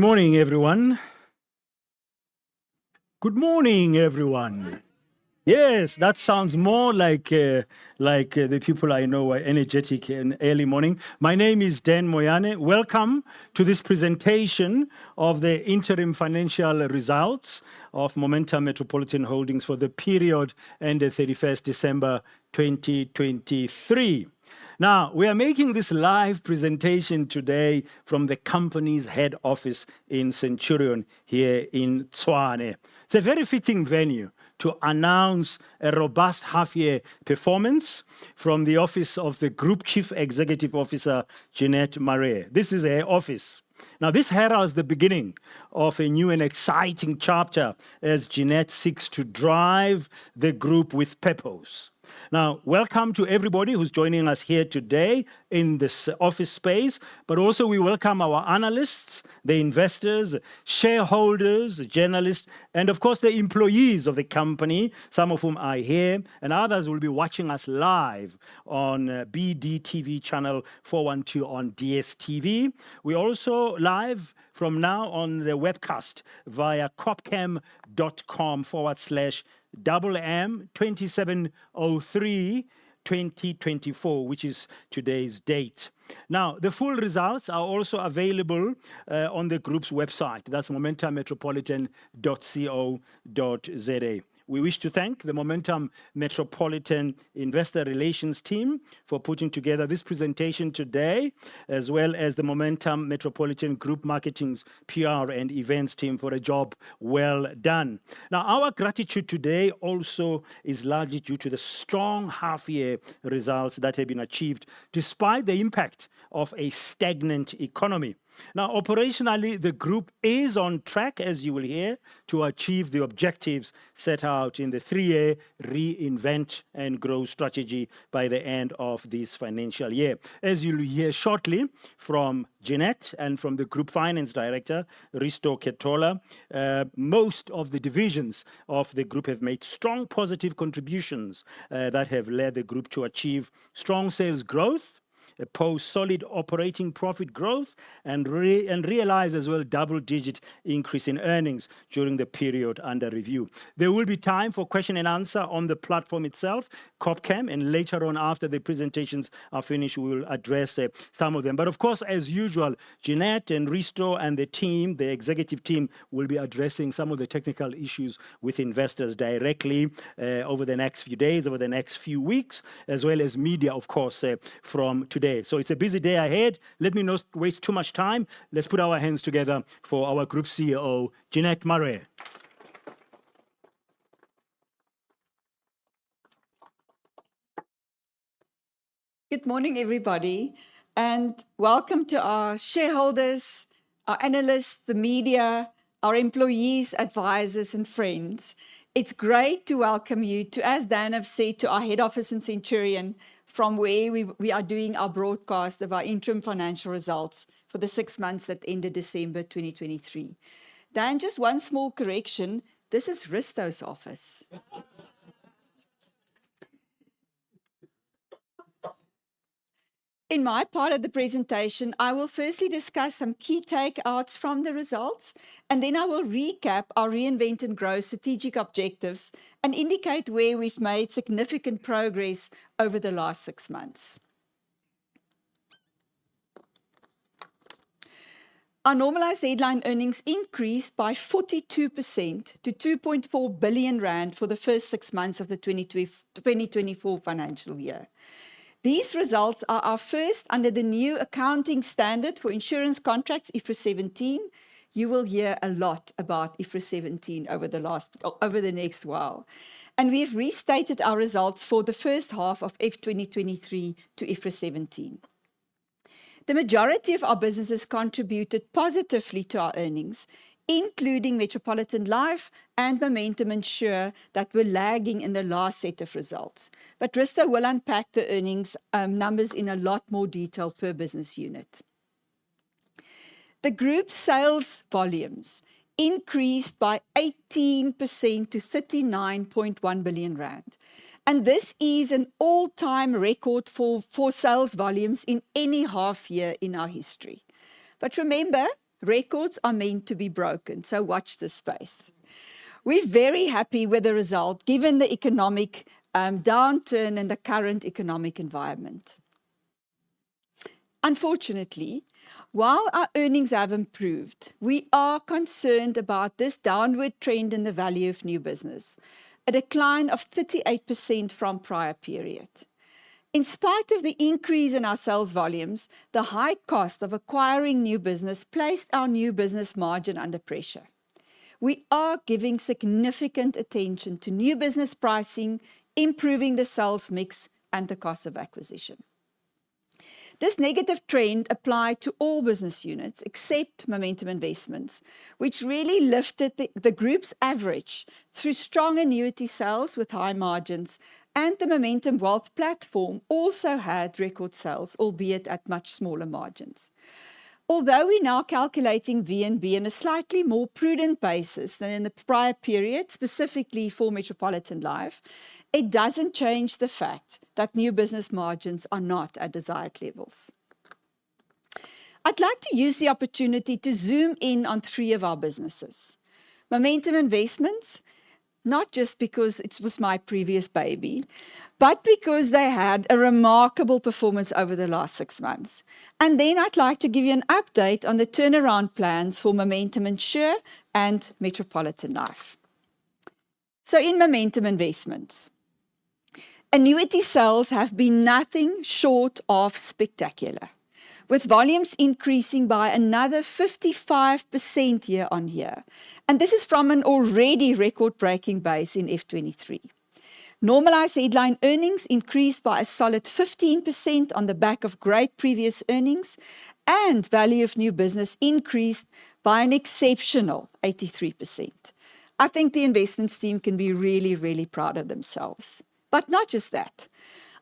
Morning, everyone. Good morning, everyone. Yes, that sounds more like, like the people I know are energetic in early morning. My name is Dan Moyane. Welcome to this presentation of the interim financial results of Momentum Metropolitan Holdings for the period ending December 31, 2023. Now, we are making this live presentation today from the company's head office in Centurion, here in Tshwane. It's a very fitting venue to announce a robust half-year performance from the office of the Group Chief Executive Officer, Jeanette Marais. This is her office. Now, this heralds the beginning of a new and exciting chapter as Jeanette seeks to drive the group with purpose. Now, welcome to everybody who's joining us here today in this office space, but also we welcome our analysts, the investors, shareholders, journalists, and of course the employees of the company, some of whom are here and others will be watching us live on BDTV channel 412 on DStv. We're also live from now on the webcast via Corpcam.com/m27032024, which is today's date. Now, the full results are also available on the group's website. That's momentummetropolitan.co.za. We wish to thank the Momentum Metropolitan Investor Relations team for putting together this presentation today, as well as the Momentum Metropolitan Group Marketing's PR and Events team for a job well done. Now, our gratitude today also is largely due to the strong half-year results that have been achieved despite the impact of a stagnant economy. Now, operationally, the group is on track, as you will hear, to achieve the objectives set out in the three-year Reinvent and Grow strategy by the end of this financial year. As you'll hear shortly from Jeanette and from the Group Finance Director, Risto Ketola, most of the divisions of the group have made strong positive contributions that have led the group to achieve strong sales growth, posted solid operating profit growth, and realized as well a double-digit increase in earnings during the period under review. There will be time for question and answer on the platform itself, Corpcam, and later on after the presentations are finished we'll address some of them. But of course, as usual, Jeanette and Risto and the team, the executive team, will be addressing some of the technical issues with investors directly, over the next few days, over the next few weeks, as well as media, of course, from today. So it's a busy day ahead. Let me not waste too much time. Let's put our hands together for our Group CEO, Jeanette Marais. Good morning, everybody. And welcome to our shareholders, our analysts, the media, our employees, advisors, and friends. It's great to welcome you to, as Dan have said, to our head office in Centurion, from where we are doing our broadcast of our interim financial results for the six months that ended December 2023. Dan, just one small correction: this is Risto's office. In my part of the presentation, I will firstly discuss some key takeouts from the results, and then I will recap our Reinvent and Grow strategic objectives and indicate where we've made significant progress over the last six months. Our normalized headline earnings increased by 42% to 2.4 billion rand for the first six months of the 2024 financial year. These results are our first under the new accounting standard for insurance contracts, IFRS 17. You will hear a lot about IFRS 17 over the next while. We have restated our results for the first half of FY2023 to IFRS 17. The majority of our businesses contributed positively to our earnings, including Metropolitan Life and Momentum Insure, that were lagging in the last set of results. Risto will unpack the earnings numbers in a lot more detail per business unit. The group's sales volumes increased by 18% to 39.1 billion rand. This is an all-time record for sales volumes in any half-year in our history. Remember, records are meant to be broken, so watch this space. We're very happy with the result given the economic downturn and the current economic environment. Unfortunately, while our earnings have improved, we are concerned about this downward trend in the value of new business, a decline of 38% from prior period. In spite of the increase in our sales volumes, the high cost of acquiring new business placed our new business margin under pressure. We are giving significant attention to new business pricing, improving the sales mix, and the cost of acquisition. This negative trend applied to all business units except Momentum Investments, which really lifted the group's average through strong annuity sales with high margins, and the Momentum Wealth platform also had record sales, albeit at much smaller margins. Although we're now calculating VNB on a slightly more prudent basis than in the prior period, specifically for Metropolitan Life, it doesn't change the fact that new business margins are not at desired levels. I'd like to use the opportunity to zoom in on three of our businesses: Momentum Investments, not just because it was my previous baby, but because they had a remarkable performance over the last six months. Then I'd like to give you an update on the turnaround plans for Momentum Insure and Metropolitan Life. In Momentum Investments, annuity sales have been nothing short of spectacular, with volumes increasing by another 55% year-on-year. This is from an already record-breaking base in FY2023. Normalized headline earnings increased by a solid 15% on the back of great previous earnings, and value of new business increased by an exceptional 83%. I think the investments team can be really, really proud of themselves. Not just that.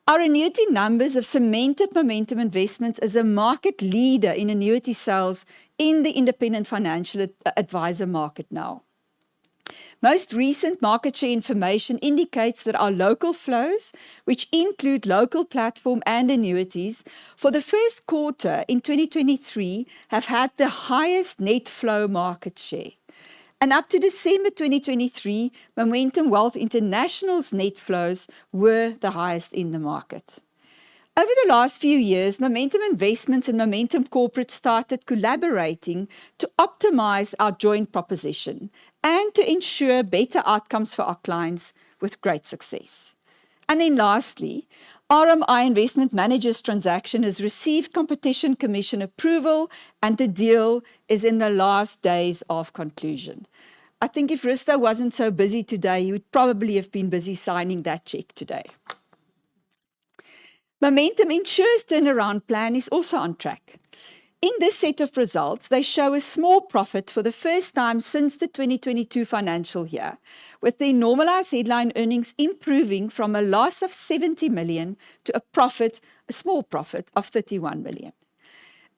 Our annuity numbers have cemented Momentum Investments as a market leader in annuity sales in the independent financial advisor market now. Most recent market share information indicates that our local flows, which include local platform and annuities, for the Q1 in 2023 have had the highest net flow market share. Up to December 2023, Momentum Wealth International's net flows were the highest in the market. Over the last few years, Momentum Investments and Momentum Corporate started collaborating to optimize our joint proposition and to ensure better outcomes for our clients with great success. And then lastly, RMI Investment Managers' transaction has received Competition Commission approval, and the deal is in the last days of conclusion. I think if Risto wasn't so busy today, he would probably have been busy signing that check today. Momentum Insure's turnaround plan is also on track. In this set of results, they show a small profit for the first time since the 2022 financial year, with their normalized headline earnings improving from a loss of 70 million to a profit, a small profit of 31 million.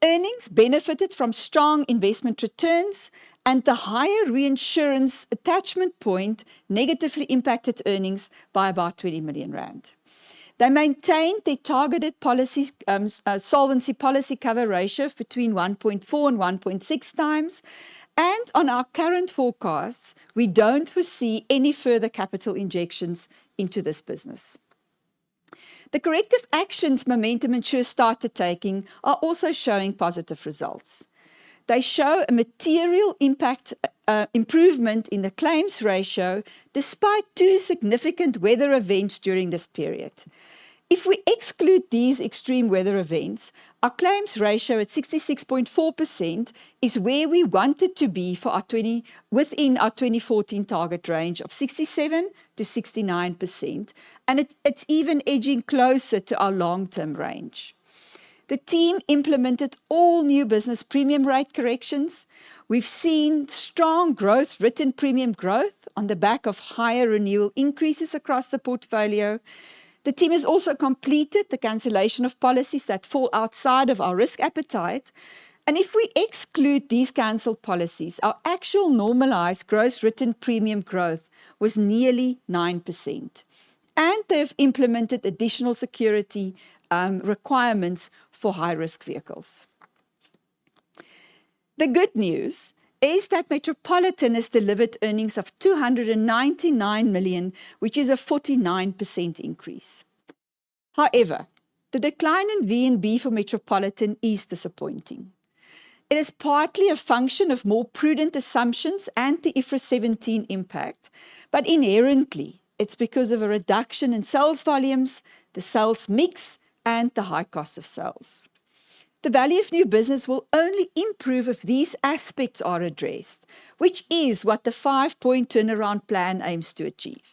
Earnings benefited from strong investment returns, and the higher reinsurance attachment point negatively impacted earnings by about 20 million rand. They maintained their targeted policy, solvency policy cover ratio between 1.4-1.6 times. On our current forecasts, we don't foresee any further capital injections into this business. The corrective actions Momentum Insure started taking are also showing positive results. They show a material impact, improvement in the claims ratio despite two significant weather events during this period. If we exclude these extreme weather events, our claims ratio at 66.4% is where we wanted to be for 2020 within our 2014 target range of 67%-69%. It's even edging closer to our long-term range. The team implemented all new business premium rate corrections. We've seen strong growth, written premium growth on the back of higher renewal increases across the portfolio. The team has also completed the cancellation of policies that fall outside of our risk appetite. If we exclude these canceled policies, our actual normalized gross written premium growth was nearly 9%. They've implemented additional security requirements for high-risk vehicles. The good news is that Metropolitan has delivered earnings of 299 million, which is a 49% increase. However, the decline in VNB for Metropolitan is disappointing. It is partly a function of more prudent assumptions and the IFRS 17 impact, but inherently, it's because of a reduction in sales volumes, the sales mix, and the high cost of sales. The value of new business will only improve if these aspects are addressed, which is what the five-point turnaround plan aims to achieve.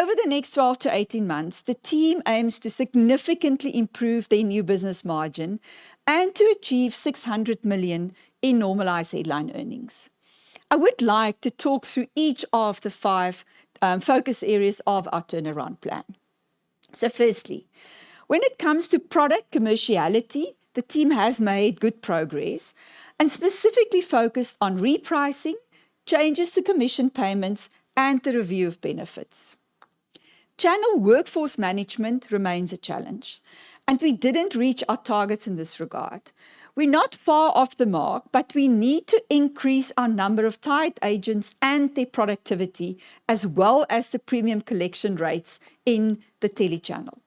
Over the next 12-18 months, the team aims to significantly improve their new business margin and to achieve 600 million in normalized headline earnings. I would like to talk through each of the five focus areas of our turnaround plan. So firstly, when it comes to product commerciality, the team has made good progress and specifically focused on repricing, changes to commission payments, and the review of benefits. Channel workforce management remains a challenge, and we didn't reach our targets in this regard. We're not far off the mark, but we need to increase our number of tied agents and their productivity as well as the premium collection rates in the telechannel.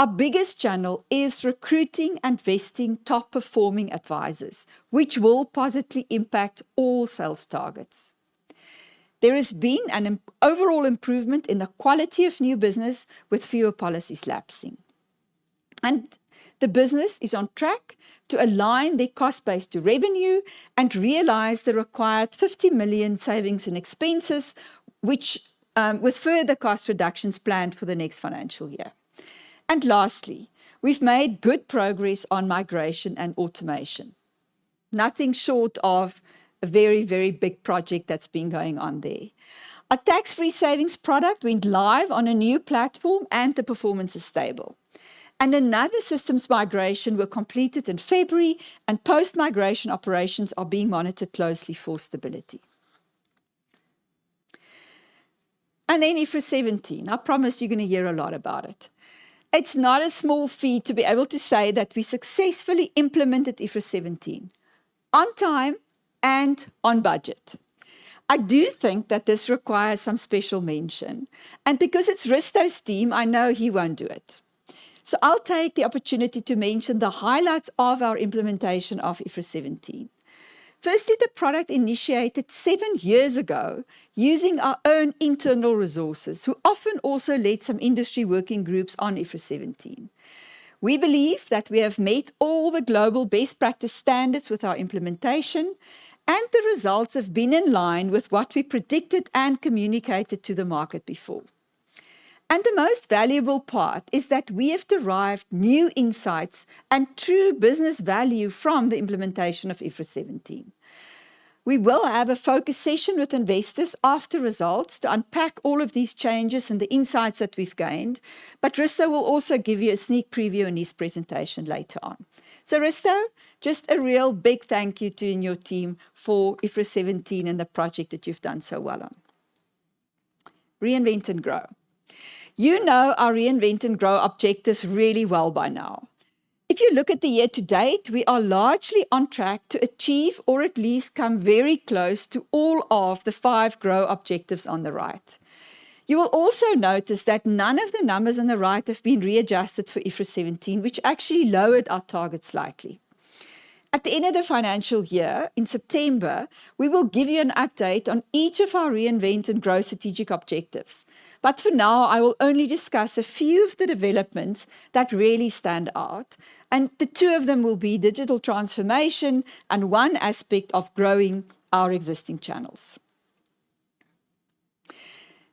Our biggest channel is recruiting and vesting top-performing advisors, which will positively impact all sales targets. There has been an overall improvement in the quality of new business with fewer policies lapsing. The business is on track to align their cost base to revenue and realize the required 50 million savings and expenses, which, with further cost reductions planned for the next financial year. Lastly, we've made good progress on migration and automation. Nothing short of a very, very big project that's been going on there. Our tax-free savings product went live on a new platform, and the performance is stable. Another systems migration was completed in February, and post-migration operations are being monitored closely for stability. Then IFRS 17. I promised you're going to hear a lot about it. It's not a small feat to be able to say that we successfully implemented IFRS 17 on time and on budget. I do think that this requires some special mention. And because it's Risto's team, I know he won't do it. I'll take the opportunity to mention the highlights of our implementation of IFRS 17. Firstly, the project initiated seven years ago using our own internal resources, who often also led some industry working groups on IFRS 17. We believe that we have met all the global best practice standards with our implementation, and the results have been in line with what we predicted and communicated to the market before. The most valuable part is that we have derived new insights and true business value from the implementation of IFRS 17. We will have a focus session with investors after results to unpack all of these changes and the insights that we've gained. Risto will also give you a sneak preview in his presentation later on. So Risto, just a real big thank you to your team for IFRS 17 and the project that you've done so well on. Reinvent and Grow. You know our Reinvent and Grow objectives really well by now. If you look at the year to date, we are largely on track to achieve or at least come very close to all of the five Grow objectives on the right. You will also notice that none of the numbers on the right have been readjusted for IFRS 17, which actually lowered our target slightly. At the end of the financial year, in September, we will give you an update on each of our Reinvent and Grow strategic objectives. But for now, I will only discuss a few of the developments that really stand out. And the two of them will be digital transformation and one aspect of growing our existing channels.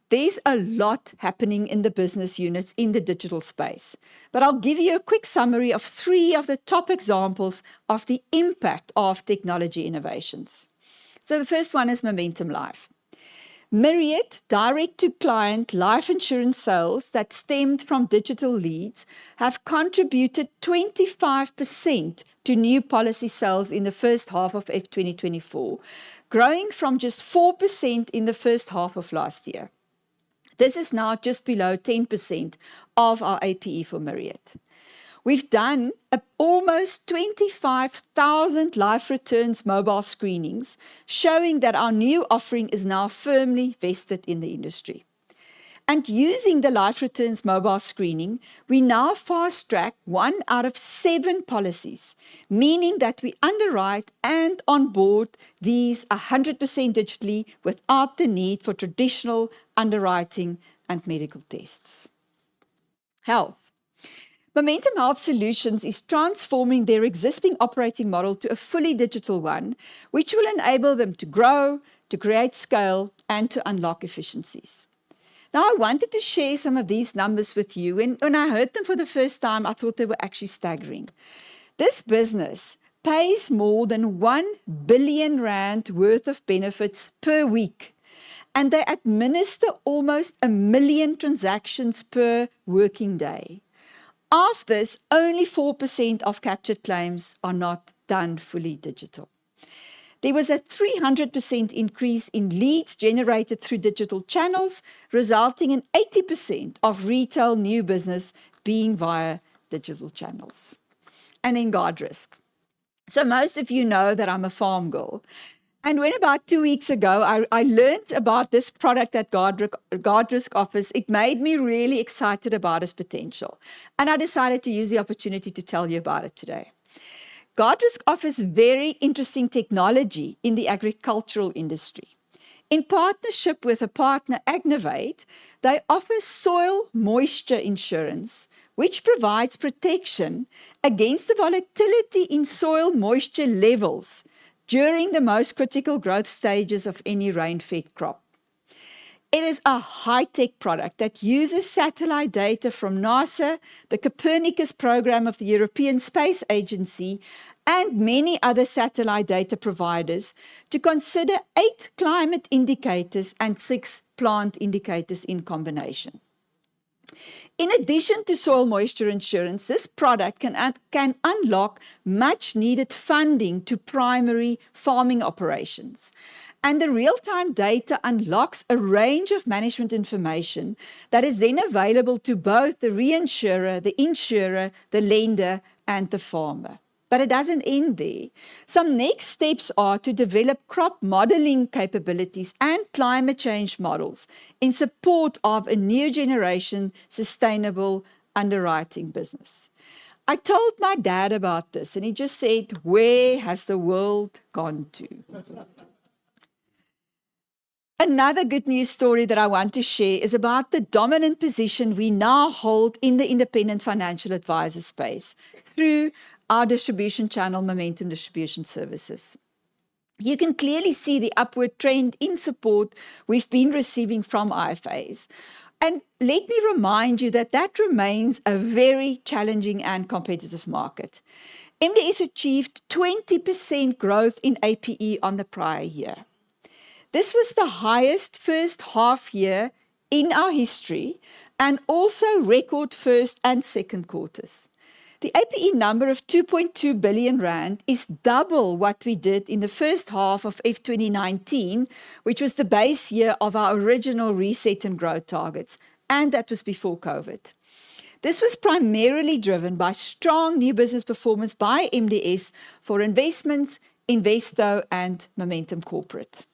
There's a lot happening in the business units in the digital space. I'll give you a quick summary of three of the top examples of the impact of technology innovations. The first one is Momentum Life. Myriad direct-to-client life insurance sales that stemmed from digital leads have contributed 25% to new policy sales in the first half of FY2024, growing from just 4% in the first half of last year. This is now just below 10% of our APE for Myriad. We've done almost 25,000 LifeReturns Mobile Screenings, showing that our new offering is now firmly vested in the industry. Using the LifeReturns Mobile Screening, we now fast-track one out of seven policies, meaning that we underwrite and onboard these 100% digitally without the need for traditional underwriting and medical tests. Health. Momentum Health Solutions is transforming their existing operating model to a fully digital one, which will enable them to grow, to create scale, and to unlock efficiencies. Now, I wanted to share some of these numbers with you. When I heard them for the first time, I thought they were actually staggering. This business pays more than 1 billion rand worth of benefits per week. They administer almost 1 million transactions per working day. Of this, only 4% of captured claims are not done fully digital. There was a 300% increase in leads generated through digital channels, resulting in 80% of retail new business being via digital channels. Then Guardrisk. Most of you know that I'm a farm girl. When about two weeks ago, I learned about this product at Guardrisk office, it made me really excited about its potential. I decided to use the opportunity to tell you about it today. Guardrisk offers very interesting technology in the agricultural industry. In partnership with a partner, Agnov8, they offer soil moisture insurance, which provides protection against the volatility in soil moisture levels during the most critical growth stages of any rain-fed crop. It is a high-tech product that uses satellite data from NASA, the Copernicus program of the European Space Agency, and many other satellite data providers to consider eight climate indicators and six plant indicators in combination. In addition to soil moisture insurance, this product can unlock much-needed funding to primary farming operations. And the real-time data unlocks a range of management information that is then available to both the reinsurer, the insurer, the lender, and the farmer. It doesn't end there. Some next steps are to develop crop modeling capabilities and climate change models in support of a new generation sustainable underwriting business. I told my dad about this, and he just said, "Where has the world gone to?" Another good news story that I want to share is about the dominant position we now hold in the independent financial advisor space through our distribution channel, Momentum Distribution Services. You can clearly see the upward trend in support we've been receiving from IFAs. Let me remind you that that remains a very challenging and competitive market. MDS achieved 20% growth in APE on the prior year. This was the highest first half year in our history and also record Q1 and Q2s. The APE number of 2.2 billion rand is double what we did in the first half of FY2019, which was the base year of our original reset and growth targets. And that was before COVID. This was primarily driven by strong new business performance by MDS for investments, Investo, and Momentum Corporate.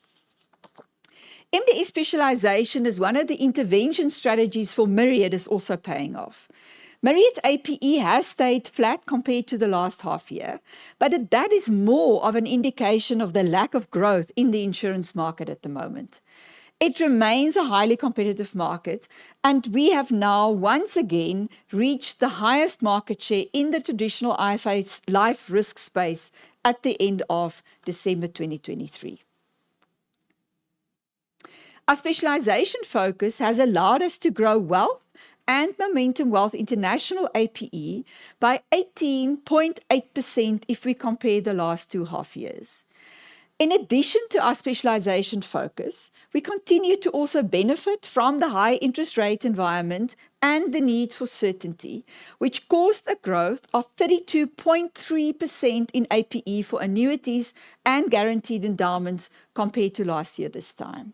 MDS specialization is one of the intervention strategies for Myriad, is also paying off. Myriad's APE has stayed flat compared to the last half year. But that is more of an indication of the lack of growth in the insurance market at the moment. It remains a highly competitive market. And we have now once again reached the highest market share in the traditional IFAs life risk space at the end of December 2023. Our specialization focus has allowed us to grow wealth and Momentum Wealth International APE by 18.8% if we compare the last two half years. In addition to our specialization focus, we continue to also benefit from the high interest rate environment and the need for certainty, which caused a growth of 32.3% in APE for annuities and guaranteed endowments compared to last year this time.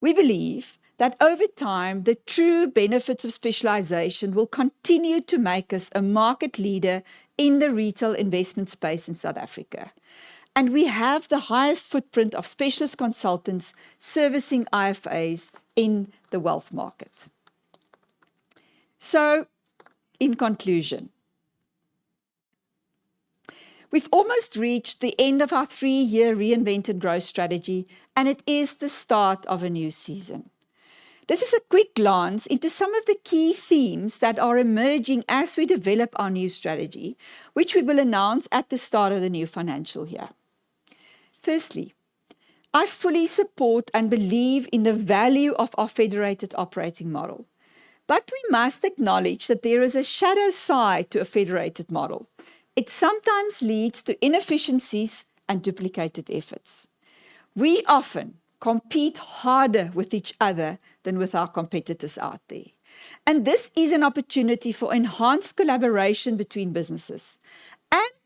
We believe that over time, the true benefits of specialization will continue to make us a market leader in the retail investment space in South Africa. We have the highest footprint of specialist consultants servicing IFAs in the wealth market. In conclusion, we've almost reached the end of our three-year Reinvent and Grow strategy, and it is the start of a new season. This is a quick glance into some of the key themes that are emerging as we develop our new strategy, which we will announce at the start of the new financial year. Firstly, I fully support and believe in the value of our federated operating model. But we must acknowledge that there is a shadow side to a federated model. It sometimes leads to inefficiencies and duplicated efforts. We often compete harder with each other than with our competitors out there. This is an opportunity for enhanced collaboration between businesses.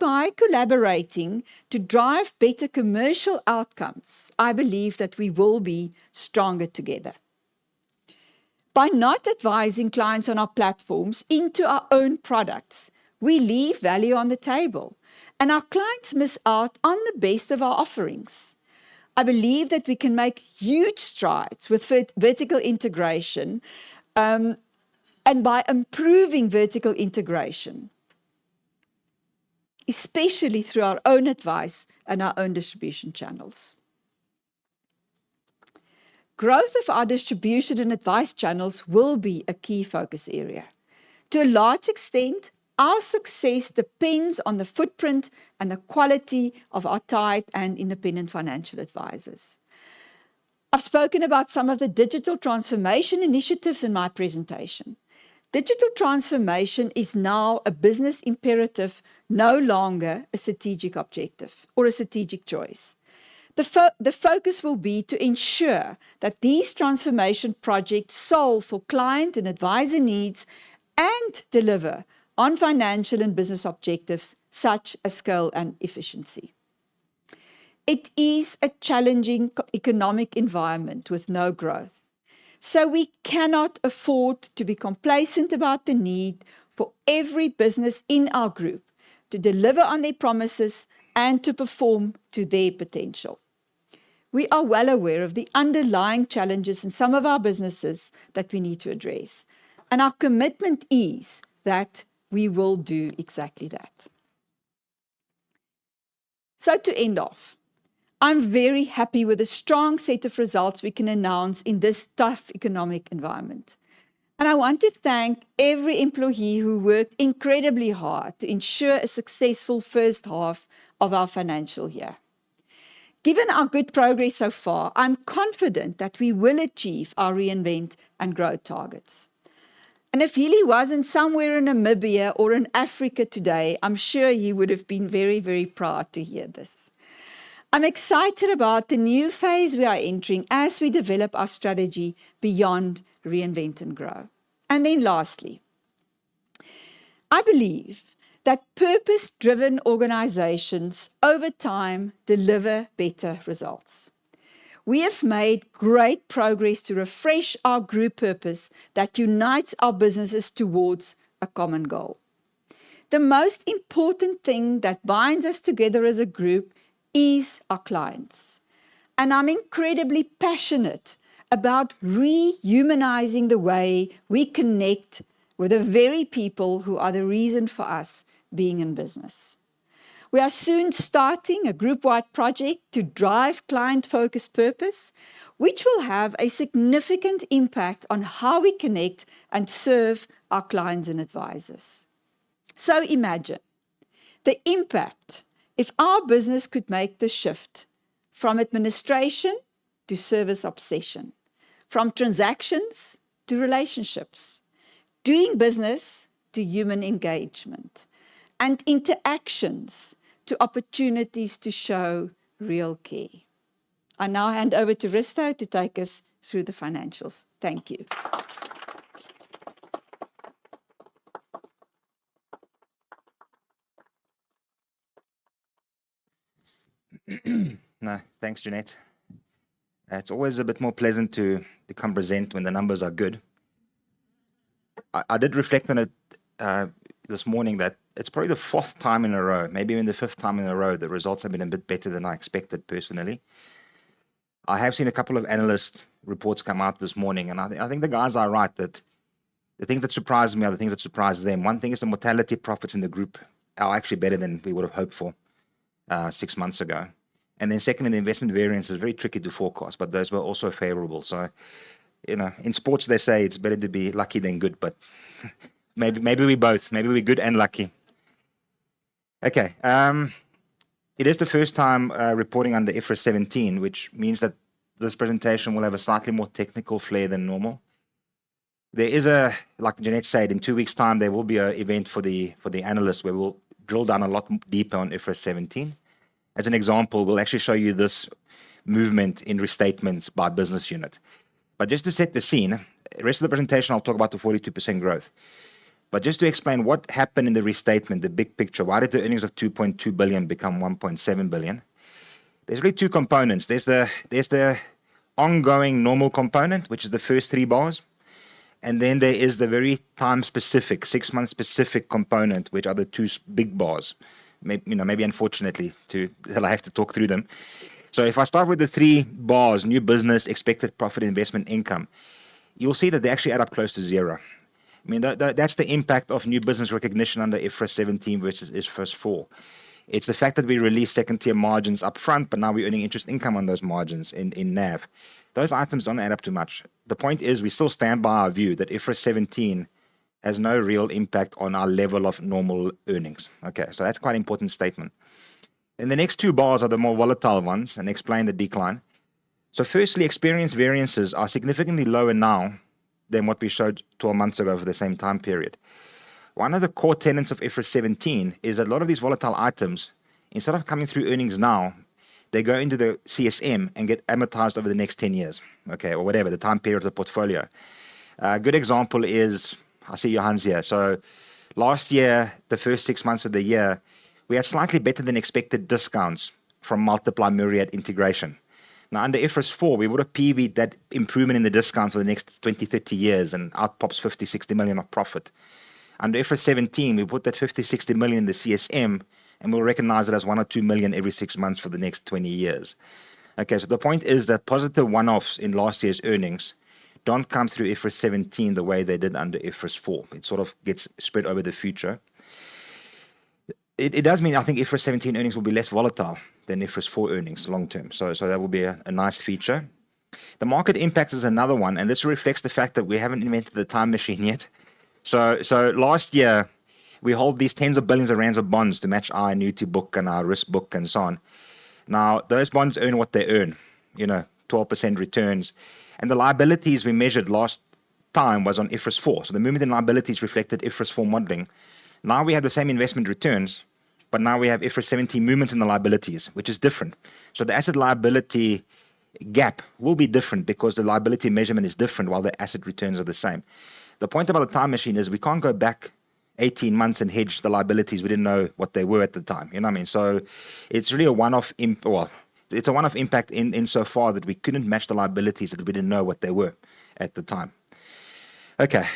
By collaborating to drive better commercial outcomes, I believe that we will be stronger together. By not advising clients on our platforms into our own products, we leave value on the table. Our clients miss out on the best of our offerings. I believe that we can make huge strides with vertical integration and by improving vertical integration, especially through our own advice and our own distribution channels. Growth of our distribution and advice channels will be a key focus area. To a large extent, our success depends on the footprint and the quality of our tied and independent financial advisors. I've spoken about some of the digital transformation initiatives in my presentation. Digital transformation is now a business imperative, no longer a strategic objective or a strategic choice. The focus will be to ensure that these transformation projects solve for client and advisor needs and deliver on financial and business objectives such as scale and efficiency. It is a challenging economic environment with no growth. So we cannot afford to be complacent about the need for every business in our group to deliver on their promises and to perform to their potential. We are well aware of the underlying challenges in some of our businesses that we need to address. Our commitment is that we will do exactly that. So to end off, I'm very happy with a strong set of results we can announce in this tough economic environment. I want to thank every employee who worked incredibly hard to ensure a successful first half of our financial year. Given our good progress so far, I'm confident that we will achieve our Reinvent and Grow targets. If Hillie wasn't somewhere in Namibia or in Africa today, I'm sure he would have been very, very proud to hear this. I'm excited about the new phase we are entering as we develop our strategy beyond Reinvent and Grow. Lastly, I believe that purpose-driven organizations over time deliver better results. We have made great progress to refresh our group purpose that unites our businesses towards a common goal. The most important thing that binds us together as a group is our clients. I'm incredibly passionate about rehumanizing the way we connect with the very people who are the reason for us being in business. We are soon starting a group-wide project to drive client-focused purpose, which will have a significant impact on how we connect and serve our clients and advisors. So imagine the impact if our business could make the shift from administration to service obsession, from transactions to relationships, doing business to human engagement, and interactions to opportunities to show real care. I now hand over to Risto to take us through the financials. Thank you. No, thanks, Jeanette. It's always a bit more pleasant to come present when the numbers are good. I did reflect on it this morning that it's probably the fourth time in a row, maybe even the fifth time in a row, that results have been a bit better than I expected personally. I have seen a couple of analyst reports come out this morning. I think the guys are right that the things that surprise me are the things that surprise them. One thing is the mortality profits in the group are actually better than we would have hoped for six months ago. Then secondly, the investment variance is very tricky to forecast, but those were also favorable. So in sports, they say it's better to be lucky than good. But maybe we both. Maybe we're good and lucky. Okay. It is the first time reporting under IFRS 17, which means that this presentation will have a slightly more technical flair than normal. There is a, like Jeanette said, in two weeks' time, there will be an event for the analysts where we'll drill down a lot deeper on IFRS 17. As an example, we'll actually show you this movement in restatements by business unit. But just to set the scene, the rest of the presentation, I'll talk about the 42% growth. But just to explain what happened in the restatement, the big picture, why did the earnings of 2.2 billion become 1.7 billion? There's really two components. There's the ongoing normal component, which is the first three bars. And then there is the very time-specific, six-month-specific component, which are the two big bars. Maybe unfortunately, I have to talk through them. So if I start with the three bars, new business, expected profit, investment, income, you'll see that they actually add up close to zero. I mean, that's the impact of new business recognition under IFRS 17 versus IFRS 4. It's the fact that we released second-tier margins upfront, but now we're earning interest income on those margins in NAV. Those items don't add up too much. The point is we still stand by our view that IFRS 17 has no real impact on our level of normal earnings. Okay. So that's quite an important statement. And the next two bars are the more volatile ones and explain the decline. So firstly, experience variances are significantly lower now than what we showed 12 months ago for the same time period. One of the core tenets of IFRS 17 is that a lot of these volatile items, instead of coming through earnings now, they go into the CSM and get amortized over the next 10 years, okay, or whatever, the time period of the portfolio. A good example is I see Johannes here. So last year, the first six months of the year, we had slightly better than expected discounts from Multiply Myriad integration. Now, under IFRS 4, we would have PV'd that improvement in the discounts for the next 20-30 years and outpops 50-60 million of profit. Under IFRS 17, we put that 50-60 million in the CSM, and we'll recognize it as 1-2 million every six months for the next 20 years. Okay. So the point is that positive one-offs in last year's earnings don't come through IFRS 17 the way they did under IFRS 4. It sort of gets spread over the future. It does mean, I think, IFRS 17 earnings will be less volatile than IFRS 4 earnings long term. So that will be a nice feature. The market impact is another one. And this reflects the fact that we haven't invented the time machine yet. So last year, we hold these tens of billions of ZAR of bonds to match our new-to-book and our risk book and so on. Now, those bonds earn what they earn, you know, 12% returns. And the liabilities we measured last time was on IFRS 4. So the movement in liabilities reflected IFRS 4 modeling. Now we have the same investment returns, but now we have IFRS 17 movements in the liabilities, which is different. So the asset liability gap will be different because the liability measurement is different while the asset returns are the same. The point about the time machine is we can't go back 18 months and hedge the liabilities. We didn't know what they were at the time. You know what I mean? So it's really a one-off; well, it's a one-off impact in so far that we couldn't match the liabilities that we didn't know what they were at the time. Okay.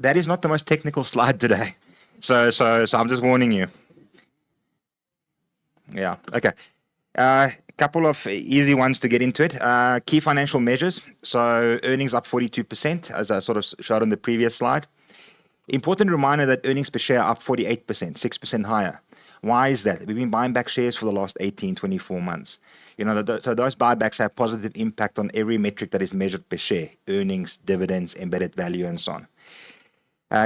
That is not the most technical slide today. So I'm just warning you. Yeah. Okay. A couple of easy ones to get into it. Key financial measures. So earnings up 42%, as I sort of showed on the previous slide. Important reminder that earnings per share are up 48%, 6% higher. Why is that? We've been buying back shares for the last 18, 24 months. You know, so those buybacks have positive impact on every metric that is measured per share: earnings, dividends, embedded value, and so on.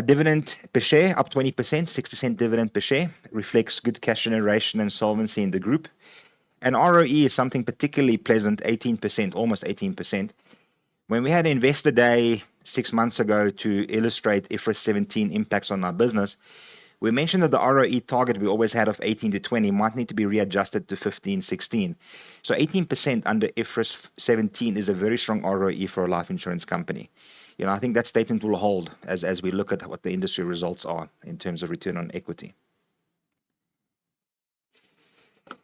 Dividend per share up 20%, 6% dividend per share, reflects good cash generation and solvency in the group. And ROE is something particularly pleasant, 18%, almost 18%. When we had Investor Day six months ago to illustrate IFRS 17 impacts on our business, we mentioned that the ROE target we always had of 18%-20% might need to be readjusted to 15%-16%. So 18% under IFRS 17 is a very strong ROE for a life insurance company. You know, I think that statement will hold as we look at what the industry results are in terms of return on equity.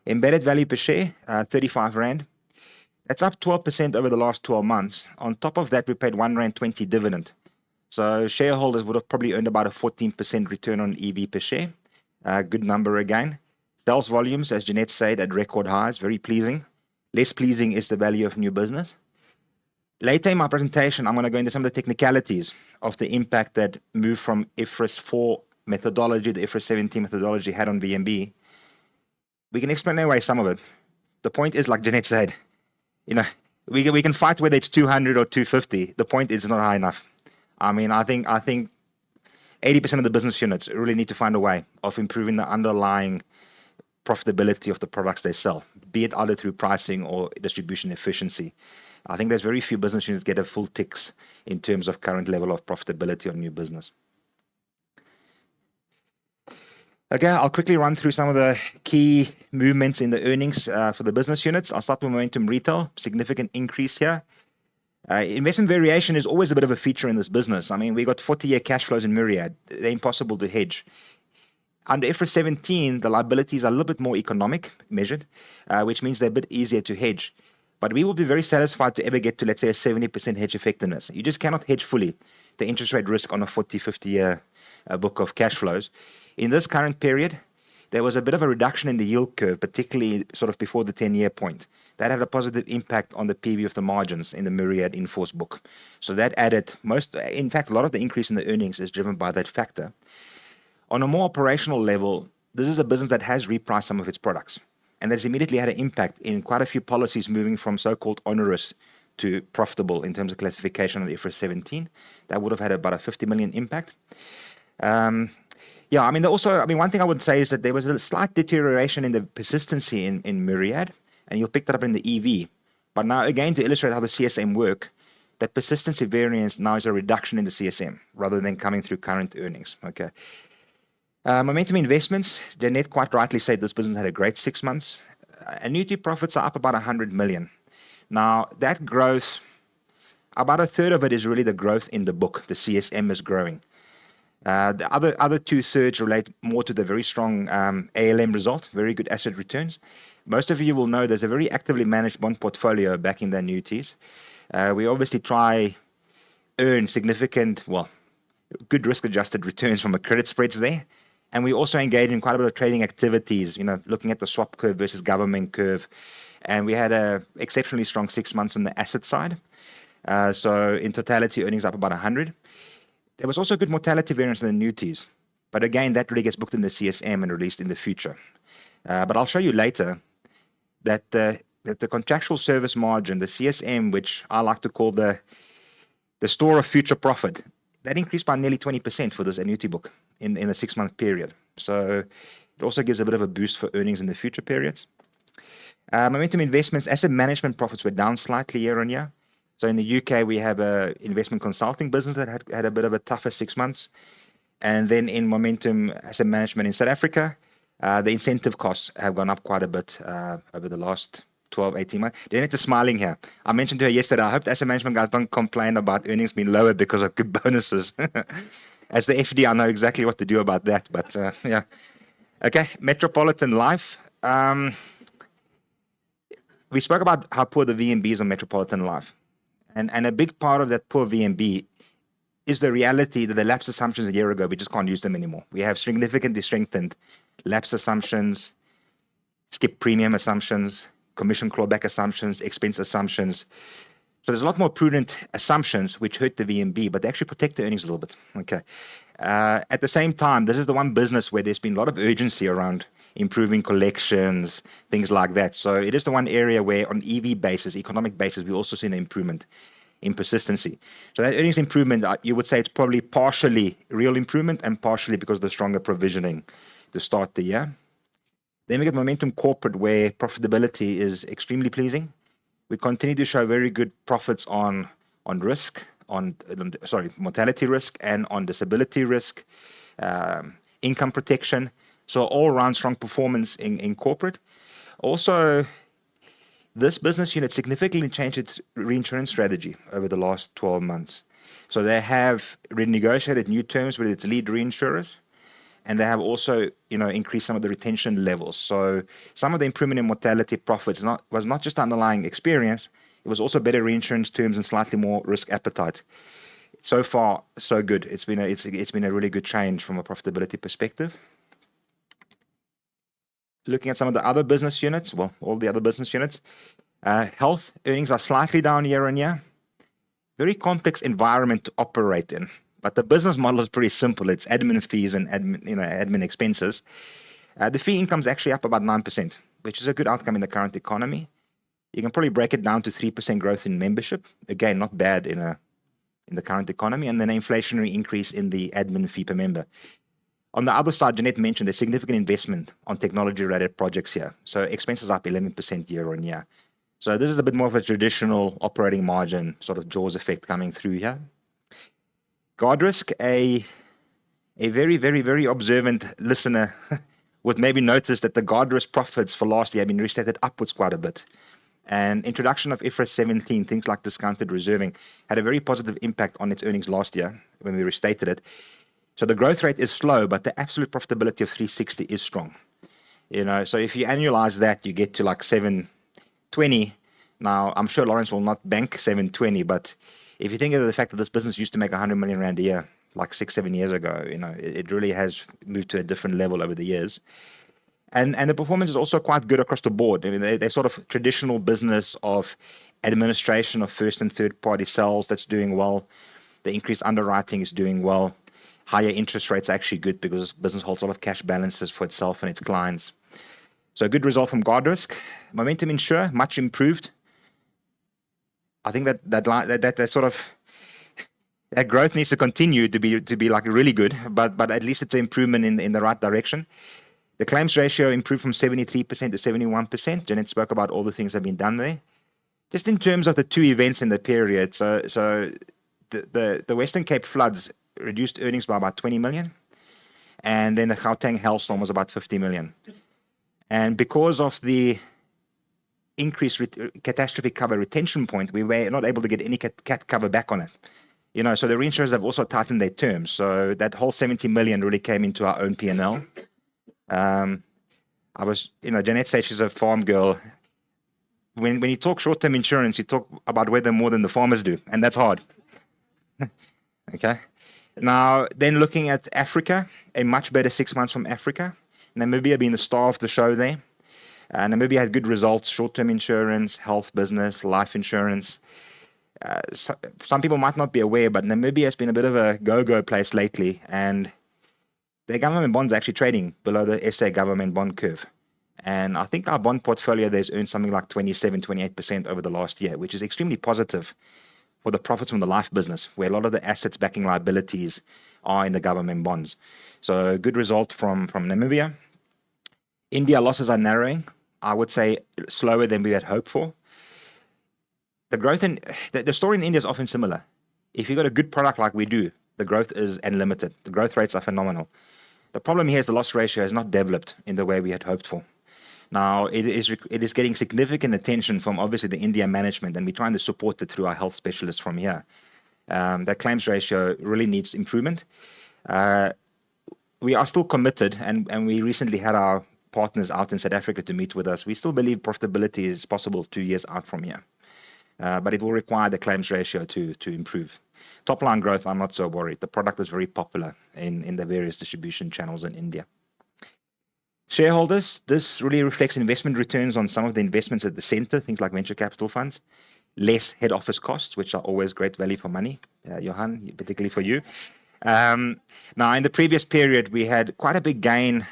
Embedded value per share, 35 rand. That's up 12% over the last 12 months. On top of that, we paid 1.20 rand dividend. So shareholders would have probably earned about a 14% return on EV per share. Good number again. Sales volumes, as Jeanette said, at record highs. Very pleasing. Less pleasing is the value of new business. Later in my presentation, I'm going to go into some of the technicalities of the impact that move from IFRS 4 methodology to the IFRS 17 methodology had on VNB. We can explain anyway some of it. The point is, like Jeanette said, you know, we can fight whether it's 200 or 250. The point is it's not high enough. I mean, I think 80% of the business units really need to find a way of improving the underlying profitability of the products they sell, be it either through pricing or distribution efficiency. I think there's very few business units that get a full tick in terms of current level of profitability on new business. Okay. I'll quickly run through some of the key movements in the earnings for the business units. I'll start with Momentum Retail. Significant increase here. Investment variation is always a bit of a feature in this business. I mean, we got 40-year cash flows in Myriad. They're impossible to hedge. Under IFRS 17, the liabilities are a little bit more economic measured, which means they're a bit easier to hedge. But we will be very satisfied to ever get to, let's say, a 70% hedge effectiveness. You just cannot hedge fully the interest rate risk on a 40- or 50-year book of cash flows. In this current period, there was a bit of a reduction in the yield curve, particularly sort of before the 10-year point. That had a positive impact on the PV of the margins in the Myriad in-force book. So that added most; in fact, a lot of the increase in the earnings is driven by that factor. On a more operational level, this is a business that has repriced some of its products. That's immediately had an impact in quite a few policies moving from so-called onerous to profitable in terms of classification of IFRS 17. That would have had about a 50 million impact. Yeah. I mean, there also I mean, one thing I would say is that there was a slight deterioration in the persistency in Myriad. And you'll pick that up in the EV. But now, again, to illustrate how the CSM work, that persistency variance now is a reduction in the CSM rather than coming through current earnings. Okay. Momentum Investments, Jeanette quite rightly said this business had a great six months. And net profits are up about 100 million. Now, that growth, about a third of it is really the growth in the book. The CSM is growing. The other two-thirds relate more to the very strong ALM result, very good asset returns. Most of you will know there's a very actively managed bond portfolio back in their annuities. We obviously try to earn significant, well, good risk-adjusted returns from the credit spreads there. And we also engage in quite a bit of trading activities, you know, looking at the swap curve versus government curve. And we had an exceptionally strong six months on the asset side. So in totality, earnings up about 100%. There was also good mortality variance in the annuities. But again, that really gets booked in the CSM and released in the future. But I'll show you later that the contractual service margin, the CSM, which I like to call the store of future profit, that increased by nearly 20% for this annuity book in a six-month period. So it also gives a bit of a boost for earnings in the future periods. Momentum Investments, asset management profits were down slightly year-on-year. So in the UK, we have an investment consulting business that had a bit of a tougher six months. And then in Momentum Asset Management in South Africa, the incentive costs have gone up quite a bit over the last 12, 18 months. Jeanette is smiling here. I mentioned to her yesterday, I hope the asset management guys don't complain about earnings being lower because of good bonuses. As the FD, I know exactly what to do about that. But yeah. Okay. Metropolitan Life. We spoke about how poor the VNBs on Metropolitan Life. And a big part of that poor VNB is the reality that the lapse assumptions a year ago, we just can't use them anymore. We have significantly strengthened lapse assumptions, skip premium assumptions, commission clawback assumptions, expense assumptions. So there's a lot more prudent assumptions which hurt the VNB, but they actually protect the earnings a little bit. Okay. At the same time, this is the one business where there's been a lot of urgency around improving collections, things like that. So it is the one area where on EV basis, economic basis, we've also seen an improvement in persistency. So that earnings improvement, you would say it's probably partially real improvement and partially because of the stronger provisioning to start the year. Then we get Momentum Corporate where profitability is extremely pleasing. We continue to show very good profits on risk, on sorry, mortality risk and on disability risk, income protection. So all around strong performance in Corporate. Also, this business unit significantly changed its reinsurance strategy over the last 12 months. So they have renegotiated new terms with its lead reinsurers. And they have also increased some of the retention levels. So some of the improvement in mortality profits was not just underlying experience. It was also better reinsurance terms and slightly more risk appetite. So far, so good. It's been a really good change from a profitability perspective. Looking at some of the other business units, well, all the other business units, health earnings are slightly down year-on-year. Very complex environment to operate in. But the business model is pretty simple. It's admin fees and admin expenses. The fee income is actually up about 9%, which is a good outcome in the current economy. You can probably break it down to 3% growth in membership. Again, not bad in the current economy. And then an inflationary increase in the admin fee per member. On the other side, Jeanette mentioned there's significant investment on technology-related projects here. So expenses are up 11% year-on-year. So this is a bit more of a traditional operating margin sort of jaws effect coming through here. Guardrisk, a very, very, very observant listener would maybe notice that the Guardrisk profits for last year have been restated upwards quite a bit. And introduction of IFRS 17, things like discounted reserving, had a very positive impact on its earnings last year when we restated it. So the growth rate is slow, but the absolute profitability of 360 is strong. You know, so if you annualize that, you get to like 720. Now, I'm sure Lourens will not bank 720 million, but if you think of the fact that this business used to make 100 million rand a year, like six, seven years ago, you know, it really has moved to a different level over the years. And the performance is also quite good across the board. I mean, they're sort of traditional business of administration of first and third-party sales that's doing well. The increased underwriting is doing well. Higher interest rates are actually good because this business holds a lot of cash balances for itself and its clients. So a good result from Guardrisk. Momentum Insure, much improved. I think that that sort of that growth needs to continue to be to be like really good, but but at least it's an improvement in the right direction. The claims ratio improved from 73%-71%. Jeanette spoke about all the things that have been done there. Just in terms of the two events in the period, so the Western Cape floods reduced earnings by about 20 million. And then the Gauteng hailstorm was about 50 million. And because of the increased catastrophe cover retention point, we were not able to get any cat cover back on it. You know, so the reinsurers have also tightened their terms. So that whole 70 million really came into our own P&L. I was, you know, Jeanette said she's a farm girl. When you talk short-term insurance, you talk about weather more than the farmers do. And that's hard. Okay. Now, then looking at Africa, a much better six months from Africa. Namibia being the star of the show there. Namibia had good results, short-term insurance, health business, life insurance. Some people might not be aware, but Namibia has been a bit of a go-go place lately. And their government bonds are actually trading below the SA government bond curve. And I think our bond portfolio there's earned something like 27%-28% over the last year, which is extremely positive for the profits from the life business, where a lot of the assets backing liabilities are in the government bonds. So a good result from Namibia. India losses are narrowing, I would say, slower than we had hoped for. The growth in the story in India is often similar. If you've got a good product like we do, the growth is unlimited. The growth rates are phenomenal. The problem here is the loss ratio has not developed in the way we had hoped for. Now, it is getting significant attention from obviously the India management, and we're trying to support it through our health specialists from here. That claims ratio really needs improvement. We are still committed, and we recently had our partners out in South Africa to meet with us. We still believe profitability is possible two years out from here. But it will require the claims ratio to improve. Top-line growth, I'm not so worried. The product is very popular in the various distribution channels in India. Shareholders, this really reflects investment returns on some of the investments at the center, things like venture capital funds. Less head office costs, which are always great value for money, Johann, particularly for you. Now, in the previous period, we had quite a big gain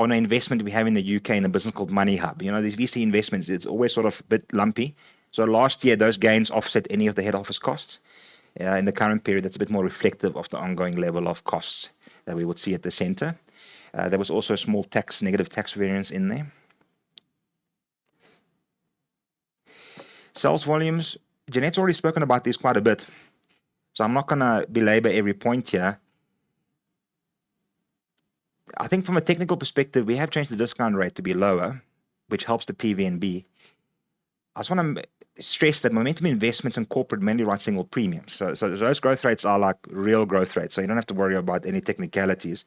on an investment we have in the U.K. in a business called Moneyhub. You know, these VC investments, it's always sort of a bit lumpy. So last year, those gains offset any of the head office costs. In the current period, that's a bit more reflective of the ongoing level of costs that we would see at the center. There was also a small tax, negative tax variance in there. Sales volumes, Jeanette's already spoken about these quite a bit. So I'm not going to belabor every point here. I think from a technical perspective, we have changed the discount rate to be lower, which helps the PVNB. I just want to stress that Momentum Investments and Corporate mainly run single premiums. So those growth rates are like real growth rates. So you don't have to worry about any technicalities.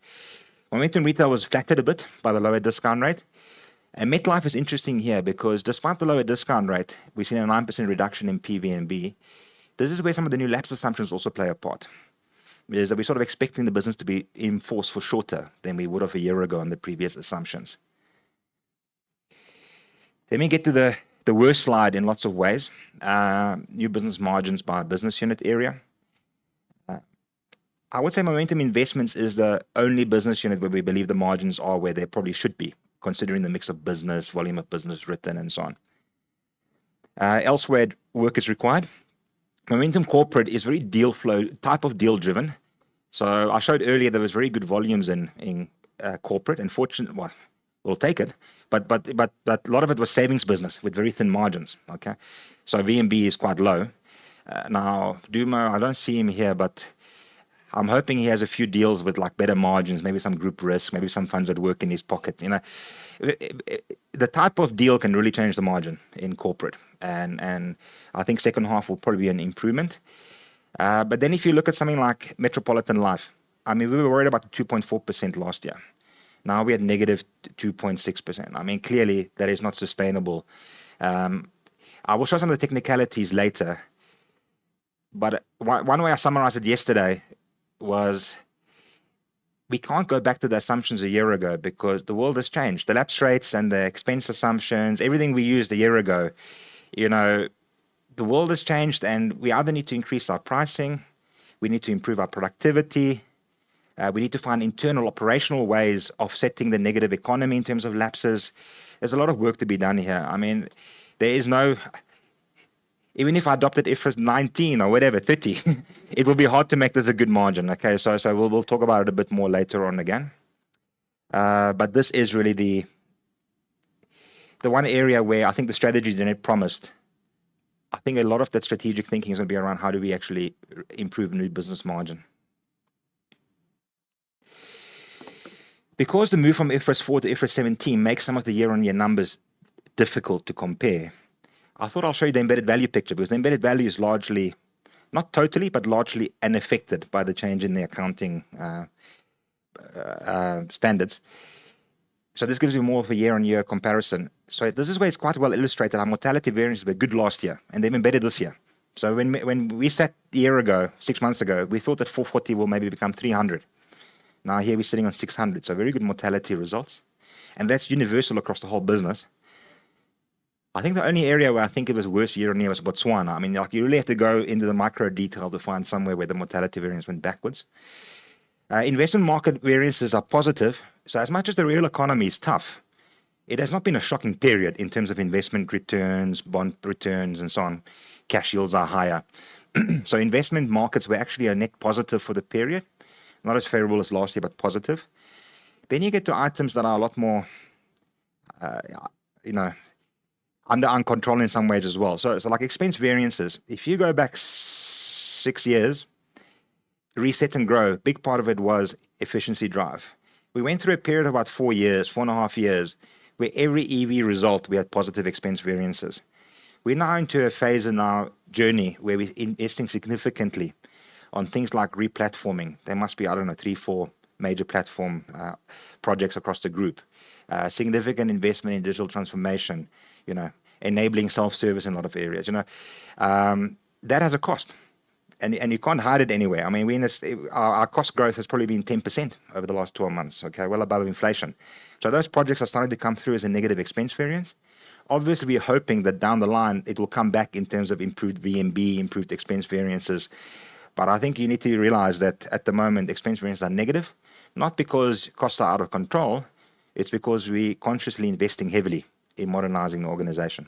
Momentum Retail was flattered a bit by the lower discount rate. And Metropolitan Life is interesting here because despite the lower discount rate, we've seen a 9% reduction in PVNB. This is where some of the new lapse assumptions also play a part. It is that we're sort of expecting the business to be enforced for shorter than we would have a year ago in the previous assumptions. Let me get to the worst slide in lots of ways. New business margins by business unit area. I would say Momentum Investments is the only business unit where we believe the margins are where they probably should be, considering the mix of business, volume of business written, and so on. Elsewhere, work is required. Momentum Corporate is very deal flow, type of deal-driven. So I showed earlier there were very good volumes in corporate. Unfortunately, well, we'll take it. But a lot of it was savings business with very thin margins. Okay. So VNB is quite low. Now, Dumo, I don't see him here, but I'm hoping he has a few deals with like better margins, maybe some group risk, maybe some FundsAtWork in his pocket. You know, the type of deal can really change the margin in corporate. And I think second half will probably be an improvement. But then if you look at something like Metropolitan Life, I mean, we were worried about the 2.4% last year. Now we had 2.6%. I mean, clearly that is not sustainable. I will show some of the technicalities later. But one way I summarized it yesterday was we can't go back to the assumptions a year ago because the world has changed. The lapse rates and the expense assumptions, everything we used a year ago, you know, the world has changed and we either need to increase our pricing, we need to improve our productivity, we need to find internal operational ways of setting the negative economy in terms of lapses. There's a lot of work to be done here. I mean, there is no. Even if I adopted IFRS 17 or whatever, 2030, it will be hard to make this a good margin. Okay. So we'll talk about it a bit more later on again. But this is really the one area where I think the strategy Jeanette promised, I think a lot of that strategic thinking is going to be around how do we actually improve new business margin. Because the move from IFRS 4 to IFRS 17 makes some of the year-on-year numbers difficult to compare, I thought I'll show you the Embedded Value picture because the Embedded Value is largely, not totally, but largely unaffected by the change in the accounting standards. So this gives you more of a year-on-year comparison. So this is where it's quite well illustrated. Our mortality variance has been good last year and they've embedded this year. So when we set the year ago, six months ago, we thought that 440 will maybe become 300. Now here we're sitting on 600. So very good mortality results. And that's universal across the whole business. I think the only area where I think it was worse year-on-year was Botswana. I mean, like you really have to go into the micro detail to find somewhere where the mortality variance went backwards. Investment market variances are positive. So as much as the real economy is tough, it has not been a shocking period in terms of investment returns, bond returns, and so on. Cash yields are higher. So investment markets were actually a net positive for the period. Not as favorable as last year, but positive. Then you get to items that are a lot more, you know, under uncontrolled in some ways as well. So like expense variances, if you go back six years, Reinvent and Grow, a big part of it was efficiency drive. We went through a period of about four years, four and a half years, where every EV result we had positive expense variances. We're now into a phase in our journey where we're investing significantly on things like replatforming. There must be, I don't know, three, four major platform projects across the group. Significant investment in digital transformation, you know, enabling self-service in a lot of areas, you know. That has a cost. You can't hide it anywhere. I mean, we in this our cost growth has probably been 10% over the last 12 months, okay? Well above inflation. Those projects are starting to come through as a negative expense variance. Obviously, we're hoping that down the line it will come back in terms of improved VNB, improved expense variances. But I think you need to realize that at the moment, expense variances are negative. Not because costs are out of control. It's because we're consciously investing heavily in modernizing the organization.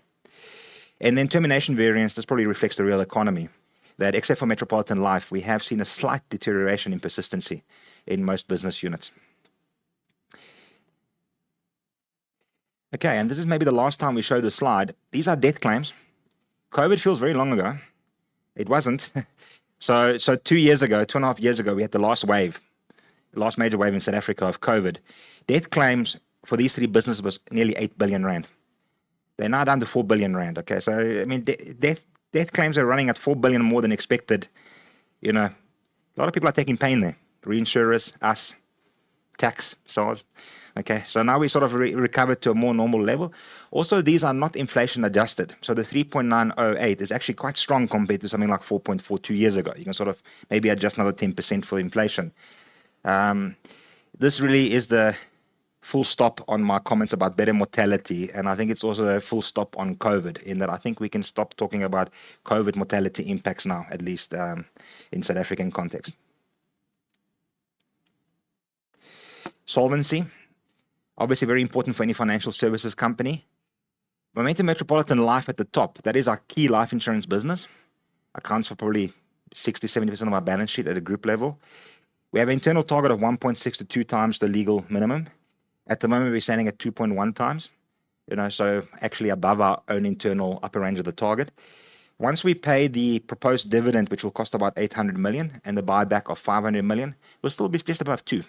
And then termination variance, this probably reflects the real economy. That, except for Metropolitan Life, we have seen a slight deterioration in persistency in most business units. Okay, and this is maybe the last time we show this slide. These are death claims. COVID feels very long ago. It wasn't. So 2 years ago, 2.5 years ago, we had the last wave, the last major wave in South Africa of COVID. Death claims for these three businesses were nearly 8 billion rand. They're now down to 4 billion rand, okay? So, I mean, death claims are running at 4 billion more than expected. You know, a lot of people are taking pain there. Reinsurers, us, tax, SARS. Okay, so now we sort of recovered to a more normal level. Also, these are not inflation adjusted. So the 3.908 is actually quite strong compared to something like 4.4, 2 years ago. You can sort of maybe adjust another 10% for inflation. This really is the full stop on my comments about better mortality. I think it's also a full stop on COVID in that I think we can stop talking about COVID mortality impacts now, at least in South African context. Solvency, obviously very important for any financial services company. We're meant to Metropolitan Life at the top. That is our key life insurance business. Accounts for probably 60%-70% of our balance sheet at a group level. We have an internal target of 1.6-2 times the legal minimum. At the moment, we're standing at 2.1 times, you know, so actually above our own internal upper range of the target. Once we pay the proposed dividend, which will cost about 800 million and the buyback of 500 million, we'll still be just above 2.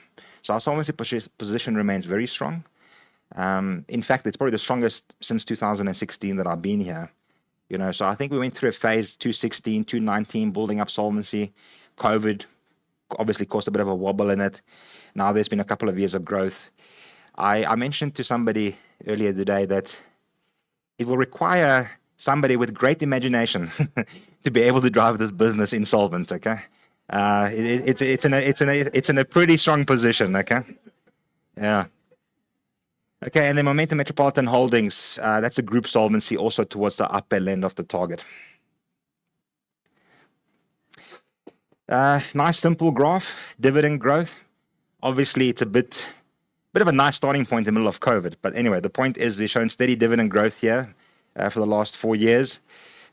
So our solvency position remains very strong. In fact, it's probably the strongest since 2016 that I've been here, you know. So, I think we went through a phase, 2016, 2019, building up solvency. COVID obviously caused a bit of a wobble in it. Now there's been a couple of years of growth. I mentioned to somebody earlier today that it will require somebody with great imagination to be able to drive this business insolvent, okay? It's a pretty strong position, okay? Yeah. Okay, and then Momentum Metropolitan Holdings, that's a group solvency also towards the upper end of the target. Nice, simple graph, dividend growth. Obviously, it's a bit of a nice starting point in the middle of COVID. But anyway, the point is we're showing steady dividend growth here for the last four years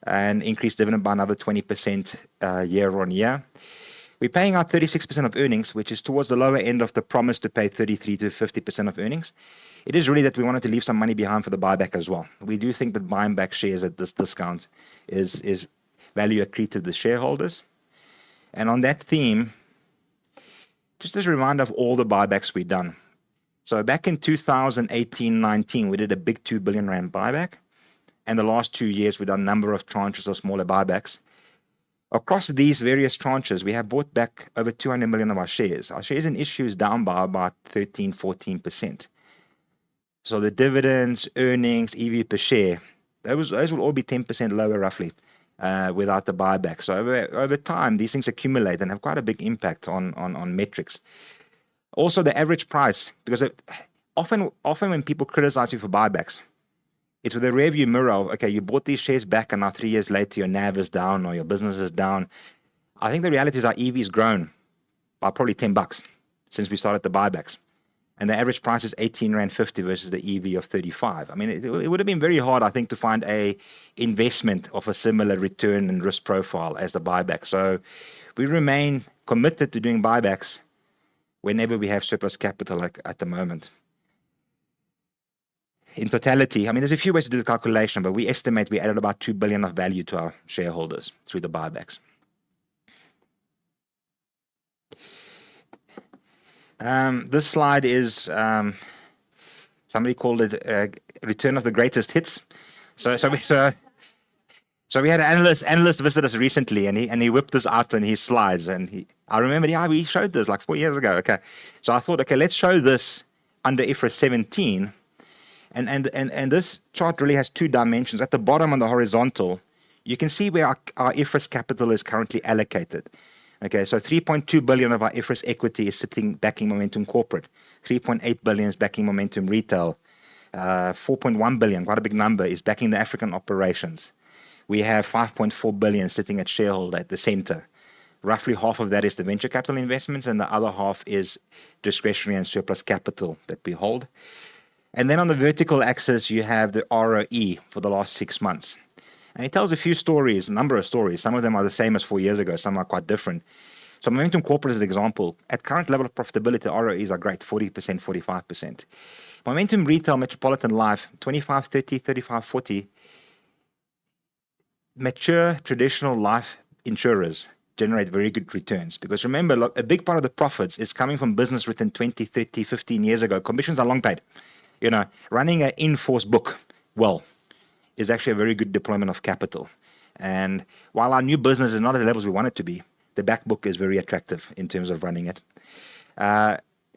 and increased dividend by another 20% year on year. We're paying out 36% of earnings, which is towards the lower end of the promise to pay 33%-50% of earnings. It is really that we wanted to leave some money behind for the buyback as well. We do think that buying back shares at this discount is value accreted to the shareholders. On that theme, just as a reminder of all the buybacks we've done. Back in 2018, 2019, we did a big 2 billion rand buyback. The last two years, we've done a number of tranches of smaller buybacks. Across these various tranches, we have bought back over 200 million of our shares. Our shares in issue is down by about 13%-14%. The dividends, earnings, EV per share, those will all be 10% lower roughly without the buyback. Over time, these things accumulate and have quite a big impact on metrics. Also, the average price, because often when people criticize you for buybacks, it's with a rearview mirror of, okay, you bought these shares back and now three years later your NAV is down or your business is down. I think the realities are EVs grown by probably ZAR 10 since we started the buybacks. And the average price is 18.50 rand versus the EV of 35. I mean, it would have been very hard, I think, to find an investment of a similar return and risk profile as the buyback. So we remain committed to doing buybacks whenever we have surplus capital at the moment. In totality, I mean, there's a few ways to do the calculation, but we estimate we added about 2 billion of value to our shareholders through the buybacks. This slide, somebody called it a return of the greatest hits. So we had an analyst visit us recently and he whipped this out in his slides and I remember he showed this like four years ago. Okay. So I thought, okay, let's show this under IFRS 17. And this chart really has two dimensions. At the bottom on the horizontal, you can see where our IFRS capital is currently allocated. Okay. So 3.2 billion of our IFRS equity is sitting backing Momentum Corporate. 3.8 billion is backing Momentum Retail. 4.1 billion, quite a big number, is backing the African operations. We have 5.4 billion sitting at shareholder at the center. Roughly half of that is the venture capital investments and the other half is discretionary and surplus capital that we hold. And then on the vertical axis, you have the ROE for the last six months. And it tells a few stories, a number of stories. Some of them are the same as 4 years ago. Some are quite different. So Momentum Corporate is an example. At current level of profitability, ROEs are great, 40%, 45%. Momentum Retail, Metropolitan Life, 25%, 30%, 35%, 40%, mature traditional life insurers generate very good returns because remember, a big part of the profits is coming from business written 20, 30, 15 years ago. Commissions are long paid. You know, running an in-force book well is actually a very good deployment of capital. And while our new business is not at the levels we want it to be, the backbook is very attractive in terms of running it.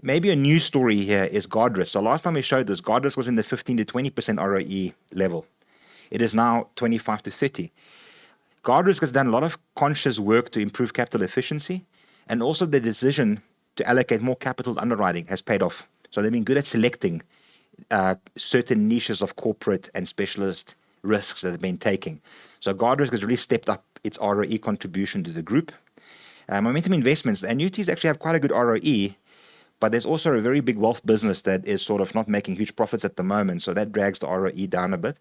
Maybe a new story here is Guardrisk. So last time we showed this, Guardrisk was in the 15%-20% ROE level. It is now 25%-30%. Guardrisk has done a lot of conscious work to improve capital efficiency and also the decision to allocate more capital to underwriting has paid off. So they've been good at selecting certain niches of corporate and specialist risks that have been taking. So Guardrisk has really stepped up its ROE contribution to the group. Momentum Investments, the annuities actually have quite a good ROE, but there's also a very big wealth business that is sort of not making huge profits at the moment. So that drags the ROE down a bit.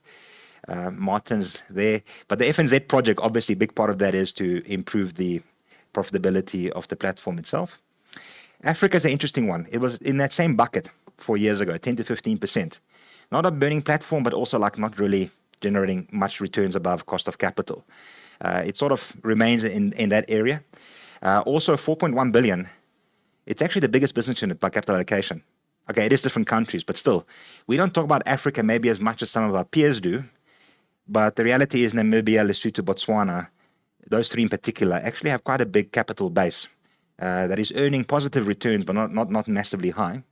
Marius there. But the FNZ project, obviously, a big part of that is to improve the profitability of the platform itself. Africa is an interesting one. It was in that same bucket four years ago, 10%-15%. Not a burning platform, but also like not really generating much returns above cost of capital. It sort of remains in that area. Also, 4.1 billion, it's actually the biggest business unit by capital allocation. Okay, it is different countries, but still, we don't talk about Africa maybe as much as some of our peers do, but the reality is Namibia, Lesotho, Botswana, those three in particular actually have quite a big capital base that is earning positive returns, but not massively high.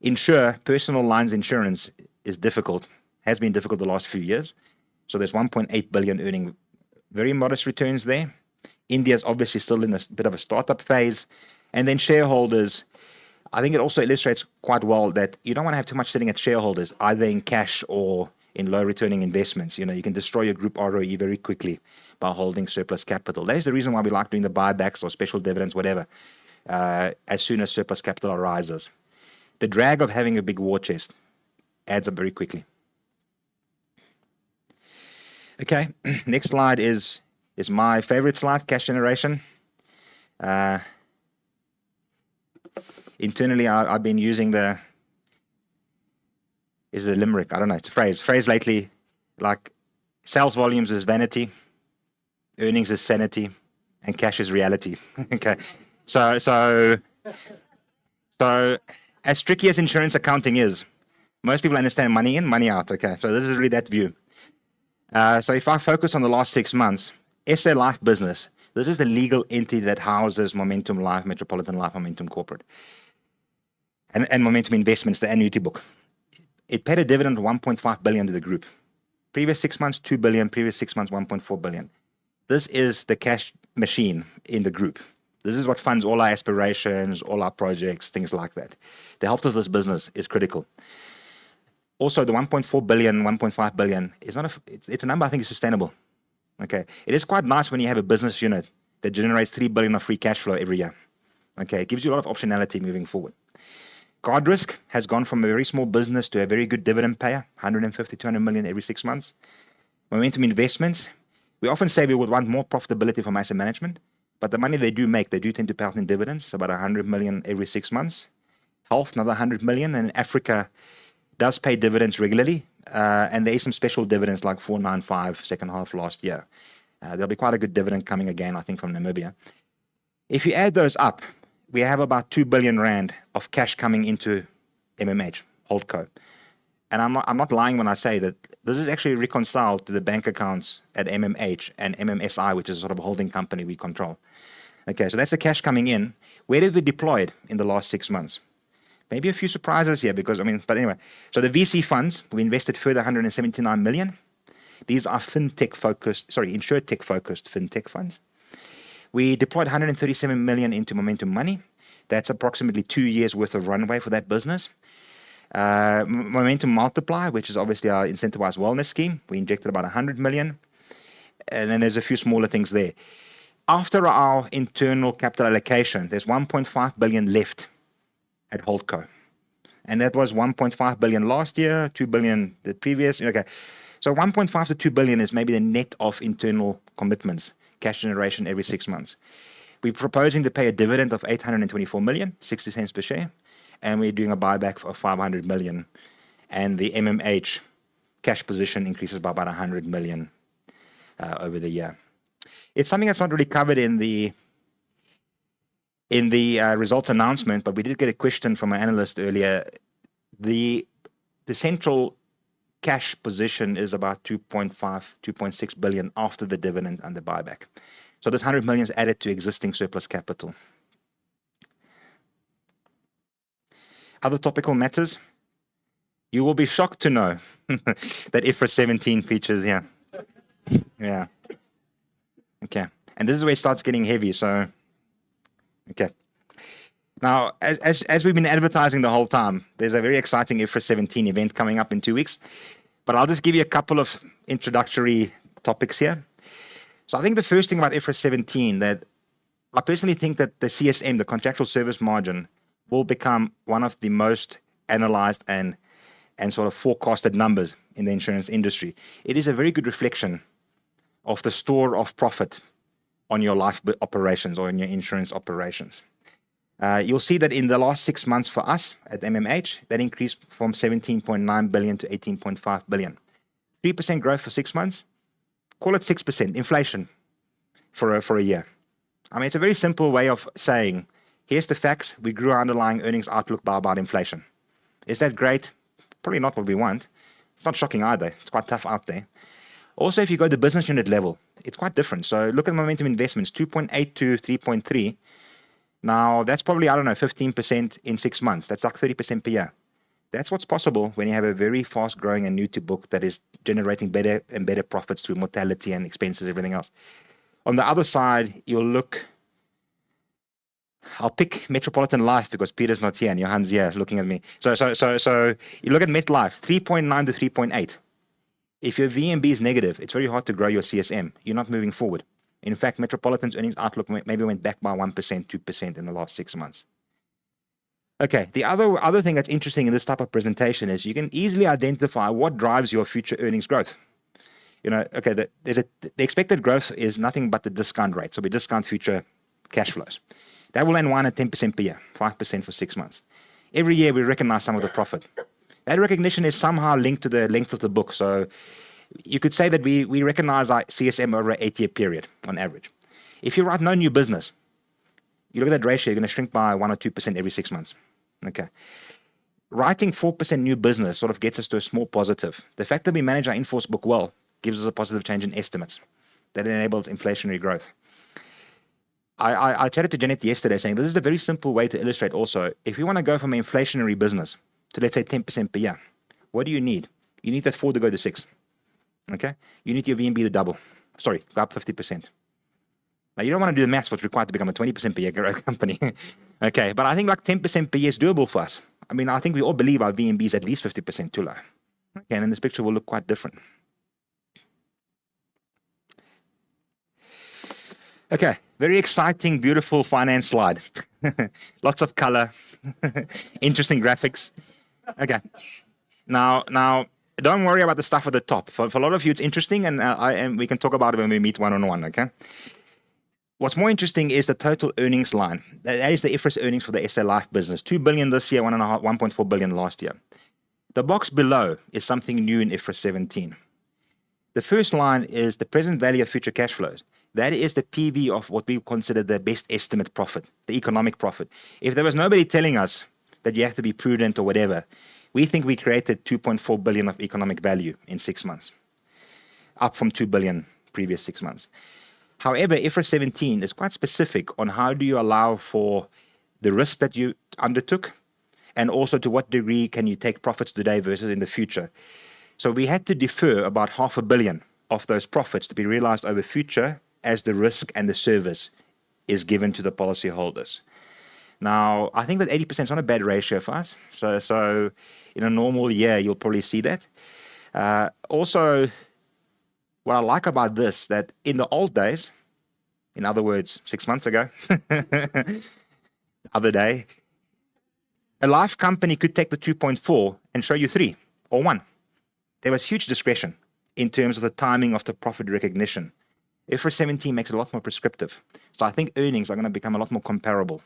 Insure, personal lines insurance is difficult, has been difficult the last few years. So there's 1.8 billion earning very modest returns there. India's obviously still in a bit of a startup phase. And then shareholders, I think it also illustrates quite well that you don't want to have too much sitting at shareholders, either in cash or in low-returning investments. You know, you can destroy your group ROE very quickly by holding surplus capital. That is the reason why we like doing the buybacks or special dividends, whatever, as soon as surplus capital arises. The drag of having a big war chest adds up very quickly. Okay. Next slide is my favorite slide, cash generation. Internally, I've been using the, is it a limerick? I don't know. It's a phrase. Phrase lately, like sales volumes is vanity, earnings is sanity, and cash is reality. Okay. So, so as tricky as insurance accounting is, most people understand money in, money out. Okay. So this is really that view. So if I focus on the last six months, SA Life Business, this is the legal entity that houses Momentum Life, Metropolitan Life, Momentum Corporate, and Momentum Investments, the annuity book. It paid a dividend of 1.5 billion to the group. Previous six months, 2 billion. Previous six months, 1.4 billion. This is the cash machine in the group. This is what funds all our aspirations, all our projects, things like that. The health of this business is critical. Also, the 1.4 billion, 1.5 billion, it's not a, it's a number I think is sustainable. Okay. It is quite nice when you have a business unit that generates 3 billion of free cash flow every year. Okay. It gives you a lot of optionality moving forward. Guardrisk has gone from a very small business to a very good dividend payer, 150 million-200 million every six months. Momentum Investments, we often say we would want more profitability from asset management, but the money they do make, they do tend to pay out in dividends, about 100 million every six months. Health, another 100 million. Africa does pay dividends regularly. There are some special dividends like 495 million second half last year. There'll be quite a good dividend coming again, I think, from Namibia. If you add those up, we have about 2 billion rand of cash coming into MMH, Holdco. I'm not lying when I say that this is actually reconciled to the bank accounts at MMH and MMSI, which is sort of a holding company we control. Okay. That's the cash coming in. Where did we deploy it in the last six months? Maybe a few surprises here because, I mean, but anyway. The VC funds, we invested further 179 million. These are fintech-focused, sorry, insurtech-focused fintech funds. We deployed 137 million into Momentum Money. That's approximately 2 years' worth of runway for that business. Momentum Multiply, which is obviously our incentivized wellness scheme. We injected about 100 million. And then there's a few smaller things there. After our internal capital allocation, there's 1.5 billion left at Holdco. That was 1.5 billion last year, 2 billion the previous. Okay. So 1.5-2 billion is maybe the net of internal commitments, cash generation every six months. We're proposing to pay a dividend of 824 million, 0.60 per share. We're doing a buyback of 500 million. The MMH cash position increases by about 100 million over the year. It's something that's not really covered in the results announcement, but we did get a question from an analyst earlier. The central cash position is about 2.5-2.6 billion after the dividend and the buyback. So this 100 million is added to existing surplus capital. Other topical matters. You will be shocked to know that IFRS 17 features here. Yeah. Okay. This is where it starts getting heavy. So, okay. Now, as we've been advertising the whole time, there's a very exciting IFRS 17 event coming up in two weeks. But I'll just give you a couple of introductory topics here. So I think the first thing about IFRS 17 that I personally think that the CSM, the Contractual Service Margin, will become one of the most analyzed and sort of forecasted numbers in the insurance industry. It is a very good reflection of the store of profit on your life operations or in your insurance operations. You'll see that in the last six months for us at MMH, that increased from 17.9 billion to 18.5 billion. 3% growth for six months. Call it 6% inflation for a year. I mean, it's a very simple way of saying, here's the facts. We grew our underlying earnings outlook by about inflation. Is that great? Probably not what we want. It's not shocking either. It's quite tough out there. Also, if you go to business unit level, it's quite different. So look at Momentum Investments, 2.8%-3.3%. Now, that's probably, I don't know, 15% in six months. That's like 30% per year. That's what's possible when you have a very fast-growing annuity book that is generating better and better profits through mortality and expenses, everything else. On the other side, you'll look, I'll pick Metropolitan Life because Peter's not here and Johan's here looking at me. So you look at MetLife, 3.9%-3.8%. If your VNB is negative, it's very hard to grow your CSM. You're not moving forward. In fact, Metropolitan's earnings outlook maybe went back by 1%-2% in the last six months. Okay. The other thing that's interesting in this type of presentation is you can easily identify what drives your future earnings growth. You know, okay, the expected growth is nothing but the discount rate. So we discount future cash flows. That will end one at 10% per year, 5% for six months. Every year, we recognize some of the profit. That recognition is somehow linked to the length of the book. So you could say that we recognize our CSM over an 8-year period on average. If you write no new business, you look at that ratio, you're going to shrink by 1% or 2% every six months. Okay. Writing 4% new business sort of gets us to a small positive. The fact that we manage our in-force book well gives us a positive change in estimates that enables inflationary growth. I chatted to Jeanette yesterday saying, this is a very simple way to illustrate also. If we want to go from an inflationary business to, let's say, 10% per year, what do you need? You need that 4 to go to 6. Okay. You need your VNB to double. Sorry, go up 50%. Like, you don't want to do the math for what's required to become a 20% per year growth company. Okay. But I think like 10% per year is doable for us. I mean, I think we all believe our VNB is at least 50% too low. Okay. And then this picture will look quite different. Okay. Very exciting, beautiful finance slide. Lots of color, interesting graphics. Okay. Now, now don't worry about the stuff at the top. For a lot of you, it's interesting and we can talk about it when we meet one-on-one. Okay. What's more interesting is the total earnings line. That is the IFRS earnings for the SA Life business. 2 billion this year, 1.4 billion last year. The box below is something new in IFRS 17. The first line is the present value of future cash flows. That is the PV of what we consider the best estimate profit, the economic profit. If there was nobody telling us that you have to be prudent or whatever, we think we created 2.4 billion of economic value in six months, up from 2 billion previous six months. However, IFRS 17 is quite specific on how do you allow for the risk that you undertook and also to what degree can you take profits today versus in the future. So we had to defer about 500 million of those profits to be realized over future as the risk and the service is given to the policyholders. Now, I think that 80% is not a bad ratio for us. So in a normal year, you'll probably see that. Also, what I like about this, that in the old days, in other words, six months ago, the other day, a life company could take the 2.4 and show you 3 or 1. There was huge discretion in terms of the timing of the profit recognition. IFRS 17 makes it a lot more prescriptive. So I think earnings are going to become a lot more comparable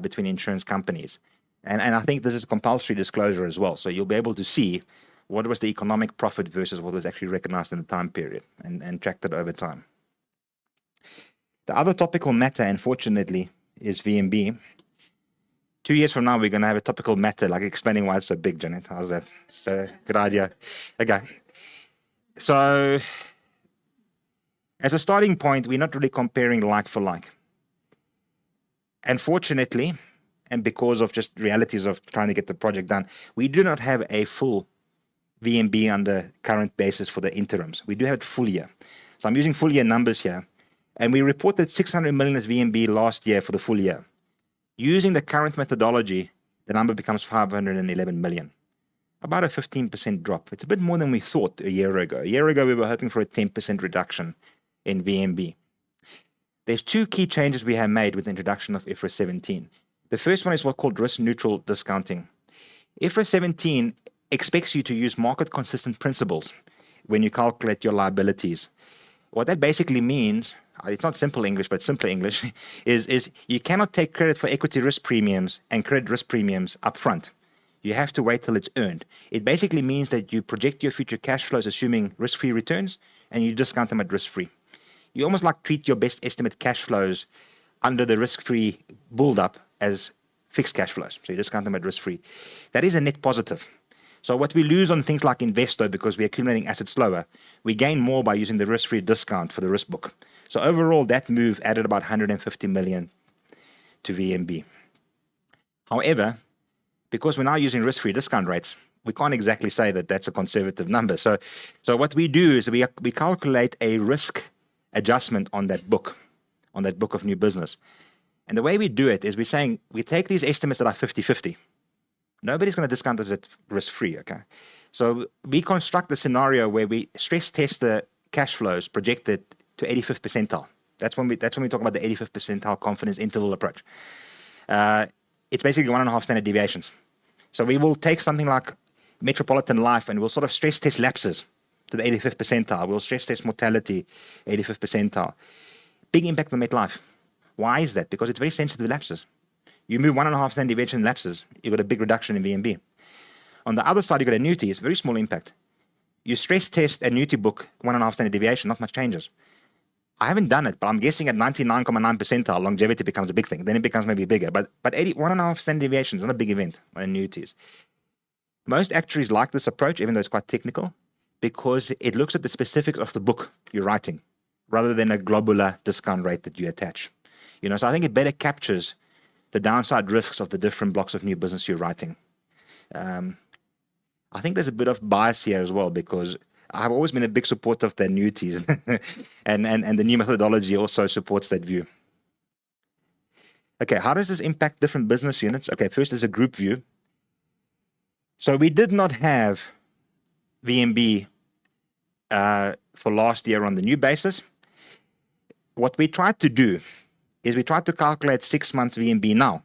between insurance companies. And I think this is a compulsory disclosure as well. So you'll be able to see what was the economic profit versus what was actually recognized in the time period and tracked it over time. The other topical matter, unfortunately, is VNB. Two years from now, we're going to have a topical matter like explaining why it's so big, Jeanette. How's that? So good idea. Okay. So as a starting point, we're not really comparing like for like. Unfortunately, and because of just realities of trying to get the project done, we do not have a full VNB on the current basis for the interims. We do have it full year. So I'm using full year numbers here. And we reported 600 million as VNB last year for the full year. Using the current methodology, the number becomes 511 million, about a 15% drop. It's a bit more than we thought a year ago. A year ago, we were hoping for a 10% reduction in VNB. There are two key changes we have made with the introduction of IFRS 17. The first one is what's called risk-neutral discounting. IFRS 17 expects you to use market-consistent principles when you calculate your liabilities. What that basically means, it's not simple English, but simpler English, is you cannot take credit for equity risk premiums and credit risk premiums upfront. You have to wait till it's earned. It basically means that you project your future cash flows assuming risk-free returns and you discount them at risk-free. You almost like treat your best estimate cash flows under the risk-free buildup as fixed cash flows. So you discount them at risk-free. That is a net positive. So what we lose on things like Investo, because we accumulate assets slower, we gain more by using the risk-free discount for the risk book. So overall, that move added about 150 million to VNB. However, because we're now using risk-free discount rates, we can't exactly say that that's a conservative number. So what we do is we calculate a risk adjustment on that book, on that book of new business. And the way we do it is we're saying we take these estimates that are 50/50. Nobody's going to discount it at risk-free, okay? So we construct a scenario where we stress-test the cash flows projected to 85th percentile. That's when we talk about the 85th percentile confidence interval approach. It's basically one and a half standard deviations. So we will take something like Metropolitan Life and we'll sort of stress-test lapses to the 85th percentile. We'll stress-test mortality, 85th percentile. Big impact on MetLife. Why is that? Because it's very sensitive to lapses. You move 1.5 standard deviation and lapses, you've got a big reduction in VNB. On the other side, you've got annuities, very small impact. You stress-test annuity book, 1.5 standard deviation, not much changes. I haven't done it, but I'm guessing at 99.9 percentile, longevity becomes a big thing. Then it becomes maybe bigger. But 1.5 standard deviations is not a big event on annuities. Most actuaries like this approach, even though it's quite technical, because it looks at the specifics of the book you're writing rather than a global discount rate that you attach. You know, so I think it better captures the downside risks of the different blocks of new business you're writing. I think there's a bit of bias here as well because I've always been a big supporter of the annuities and the new methodology also supports that view. Okay, how does this impact different business units? Okay, first is a group view. So we did not have VNB for last year on the new basis. What we tried to do is we tried to calculate six months VNB now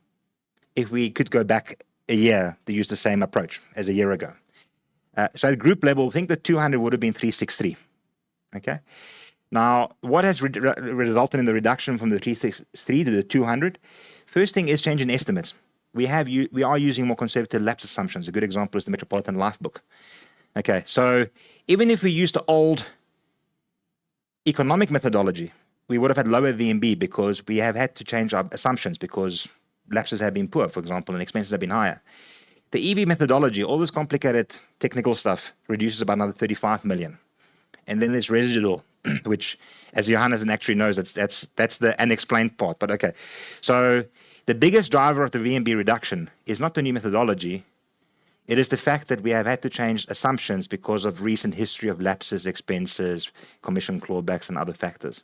if we could go back a year to use the same approach as a year ago. So at group level, we think the 200 would have been 363. Okay? Now, what has resulted in the reduction from the 363 to the 200? First thing is change in estimates. We have we are using more conservative lapse assumptions. A good example is the Metropolitan Life book. Okay, so even if we used the old economic methodology, we would have had lower VNB because we have had to change our assumptions because lapses have been poor, for example, and expenses have been higher. The EV methodology, all this complicated technical stuff, reduces about another 35 million. And then there's residual, which, as Johannes, as an actuary, knows, that's the unexplained part. But okay. So the biggest driver of the VNB reduction is not the new methodology. It is the fact that we have had to change assumptions because of recent history of lapses, expenses, commission clawbacks, and other factors.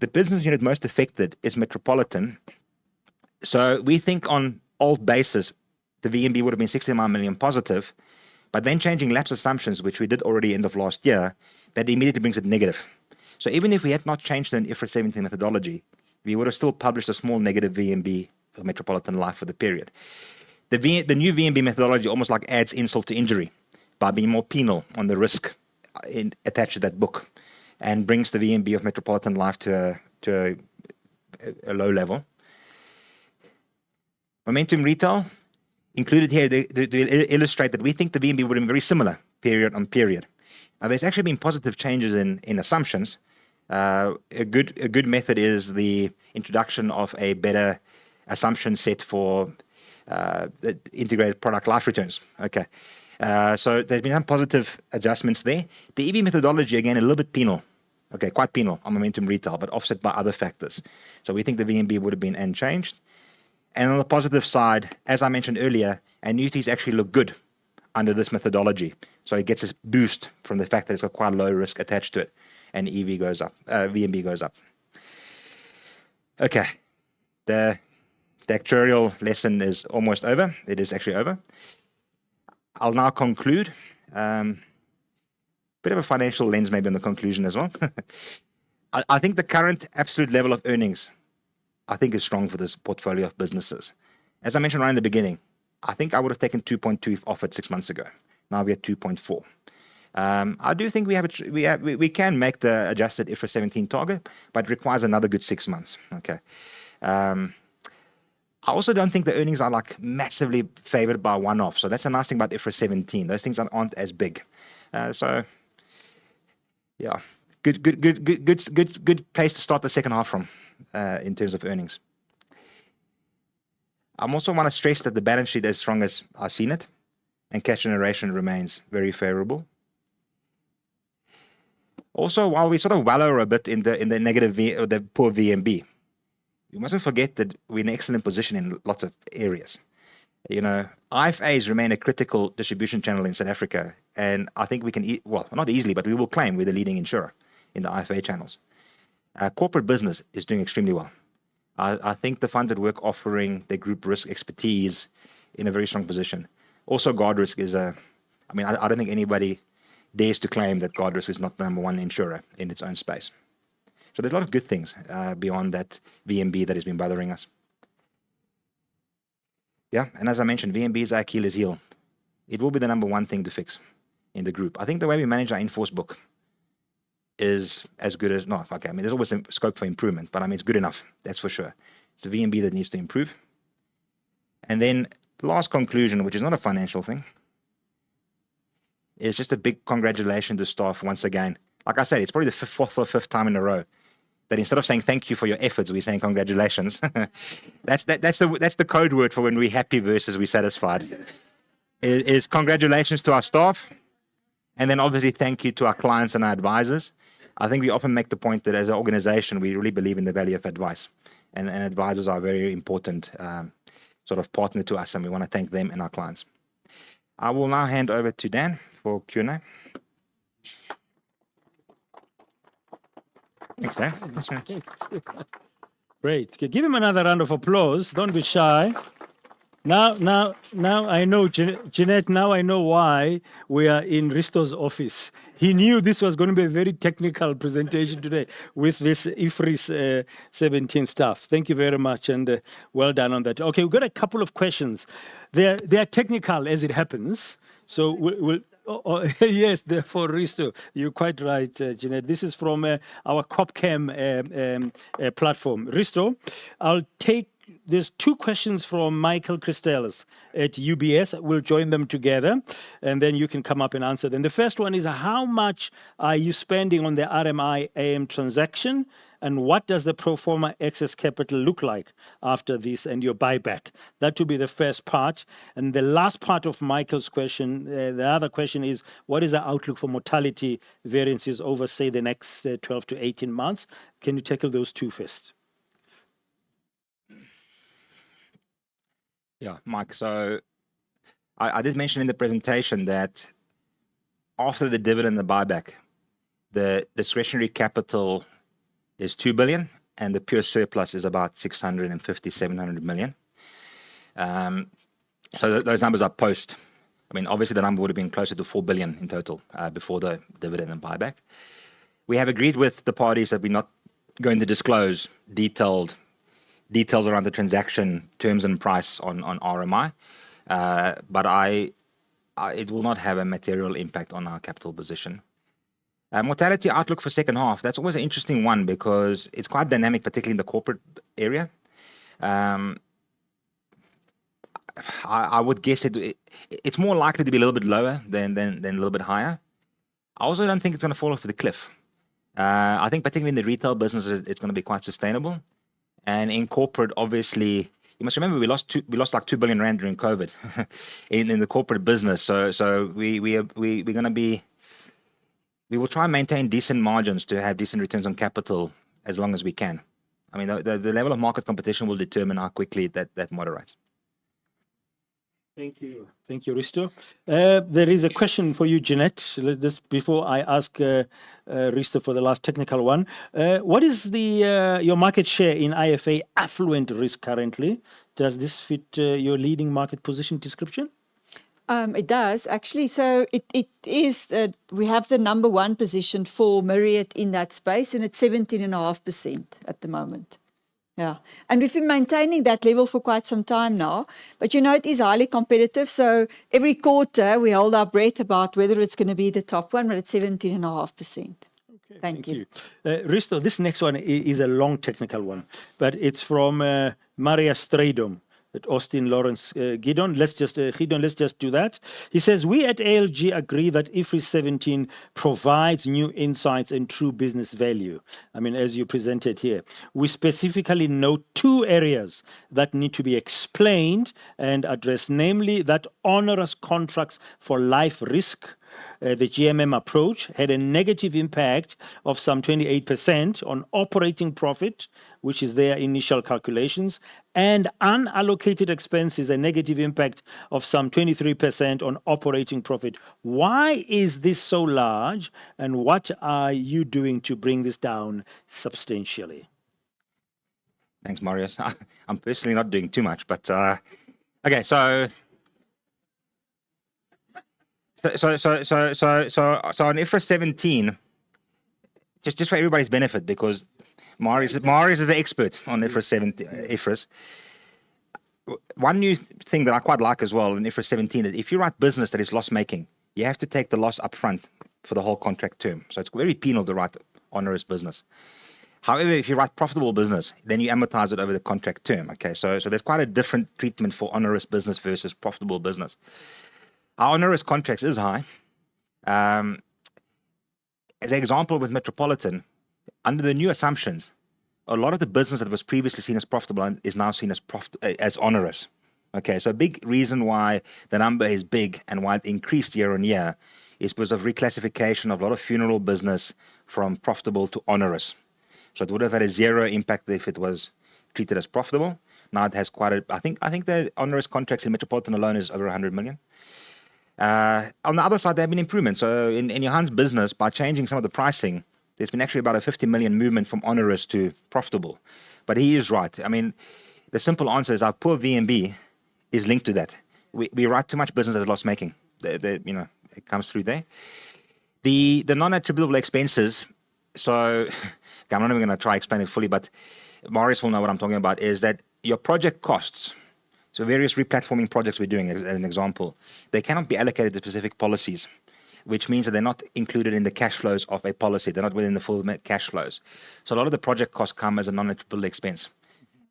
The business unit most affected is Metropolitan. So we think on old basis, the VNB would have been 69 million positive. But then changing lapse assumptions, which we did already end of last year, that immediately brings it negative. So even if we had not changed an IFRS 17 methodology, we would have still published a small negative VNB for Metropolitan Life for the period. The new VNB methodology almost like adds insult to injury by being more penal on the risk attached to that book and brings the VNB of Metropolitan Life to a low level. Momentum Retail included here to illustrate that we think the VNB would have been very similar period-on-period. Now, there's actually been positive changes in assumptions. A good method is the introduction of a better assumption set for integrated product LifeReturns. Okay. So there's been some positive adjustments there. The EV methodology, again, a little bit penal, okay, quite penal on Momentum Retail, but offset by other factors. So we think the VNB would have been unchanged. On the positive side, as I mentioned earlier, annuities actually look good under this methodology. It gets this boost from the fact that it's got quite a low risk attached to it and EV goes up, VNB goes up. Okay. The lecture is almost over. It is actually over. I'll now conclude. Bit of a financial lens maybe on the conclusion as well. I think the current absolute level of earnings, I think, is strong for this portfolio of businesses. As I mentioned right in the beginning, I think I would have taken 2.2 if offered six months ago. Now we have 2.4. I do think we can make the adjusted IFRS 17 target, but it requires another good six months. Okay. I also don't think the earnings are like massively favored by one-off. That's a nice thing about IFRS 17. Those things aren't as big. So yeah, good, good, good, good, good, good place to start the second half from in terms of earnings. I also want to stress that the balance sheet is as strong as I've seen it and cash generation remains very favorable. Also, while we sort of wallow a bit in the negative or the poor VNB, we mustn't forget that we're in an excellent position in lots of areas. You know, IFAs remain a critical distribution channel in South Africa and I think we can lead, well, not easily, but we will claim we're the leading insurer in the IFA channels. Corporate business is doing extremely well. I think the FundsAtWork are offering their group risk expertise in a very strong position. Also, Guardrisk is a—I mean, I don't think anybody dares to claim that Guardrisk is not the number one insurer in its own space. So there's a lot of good things beyond that VNB that has been bothering us. Yeah. And as I mentioned, VNB is our Achilles heel. It will be the number one thing to fix in the group. I think the way we manage our in-force book is as good as—no, okay. I mean, there's always some scope for improvement, but I mean, it's good enough. That's for sure. It's the VNB that needs to improve. And then the last conclusion, which is not a financial thing, is just a big congratulation to staff once again. Like I said, it's probably the fourth or fifth time in a row that instead of saying thank you for your efforts, we're saying congratulations. That's the code word for when we're happy versus we're satisfied. It's congratulations to our staff and then obviously thank you to our clients and our advisors. I think we often make the point that as an organization, we really believe in the value of advice. And advisors are a very important sort of partner to us and we want to thank them and our clients. I will now hand over to Dan for Q&A. Thanks, Dan. Thanks, man. Great. Give him another round of applause. Don't be shy. Now, now, now I know, Jeanette, now I know why we are in Risto's office. He knew this was going to be a very technical presentation today with this IFRS 17 stuff. Thank you very much and well done on that. Okay, we've got a couple of questions. They are technical as it happens. So we'll, yes, for Risto, you're quite right, Jeanette. This is from our Corpcam platform. Risto, I'll take there's 2 questions from Michael Christelis at UBS. We'll join them together and then you can come up and answer them. The first one is how much are you spending on the RMI IM transaction and what does the pro forma excess capital look like after this and your buyback? That will be the first part. And the last part of Michael's question, the other question is what is the outlook for mortality variances over, say, the next 12-18 months? Can you tackle those two first? Yeah, Mike. So I did mention in the presentation that after the dividend and the buyback, the discretionary capital is 2 billion and the pure surplus is about 650-700 million. So those numbers are post. I mean, obviously the number would have been closer to 4 billion in total before the dividend and buyback. We have agreed with the parties that we're not going to disclose detailed details around the transaction terms and price on RMI. But I, it will not have a material impact on our capital position. Mortality outlook for second half, that's always an interesting one because it's quite dynamic, particularly in the corporate area. I would guess it's more likely to be a little bit lower than a little bit higher. I also don't think it's going to fall off the cliff. I think particularly in the retail business, it's going to be quite sustainable. And in corporate, obviously, you must remember we lost like 2 billion rand during COVID in the corporate business. So we're going to be, we will try and maintain decent margins to have decent returns on capital as long as we can. I mean, the level of market competition will determine how quickly that moderates. Thank you. Thank you, Risto. There is a question for you, Jeanette. Let's just, before I ask Risto for the last technical one. What is your market share in IFA Affluent Risk currently? Does this fit your leading market position description? It does, actually. So it is that we have the number one position for Myriad in that space and it's 17.5% at the moment. Yeah. And we've been maintaining that level for quite some time now. But you know, it is highly competitive. So every quarter we hold our breath about whether it's going to be the top one, but it's 17.5%. Okay. Thank you. Risto, this next one is a long technical one, but it's from Marius Strydom at ALG. He says, "We at ALG agree that IFRS 17 provides new insights and true business value." I mean, as you presented here, we specifically note two areas that need to be explained and addressed, namely that onerous contracts for life risk, the GMM approach, had a negative impact of some 28% on operating profit, which is their initial calculations, and unallocated expenses a negative impact of some 23% on operating profit. Why is this so large and what are you doing to bring this down substantially? Thanks, Marius. I'm personally not doing too much, but okay, so on IFRS 17, just for everybody's benefit, because Marius is the expert on IFRS 17. One new thing that I quite like as well in IFRS 17 is if you write business that is loss-making, you have to take the loss upfront for the whole contract term. So it's very penal to write onerous business. However, if you write profitable business, then you amortize it over the contract term. Okay. So there's quite a different treatment for onerous business versus profitable business. Our onerous contracts are high. As an example, with Metropolitan, under the new assumptions, a lot of the business that was previously seen as profitable is now seen as onerous. Okay. So a big reason why the number is big and why it increased year-on-year is because of reclassification of a lot of funeral business from profitable to onerous. So it would have had a zero impact if it was treated as profitable. Now it has quite a, I think, I think the onerous contracts in Metropolitan alone are over 100 million. On the other side, there have been improvements. So in Johan's business, by changing some of the pricing, there's been actually about a 50 million movement from onerous to profitable. But he is right. I mean, the simple answer is our poor VNB is linked to that. We write too much business that is loss-making. You know, it comes through there. The non-attributable expenses, so okay, I'm not even going to try to explain it fully, but Marius will know what I'm talking about, is that your project costs, so various replatforming projects we're doing as an example, they cannot be allocated to specific policies, which means that they're not included in the cash flows of a policy. They're not within the full cash flows. A lot of the project costs come as a non-attributable expense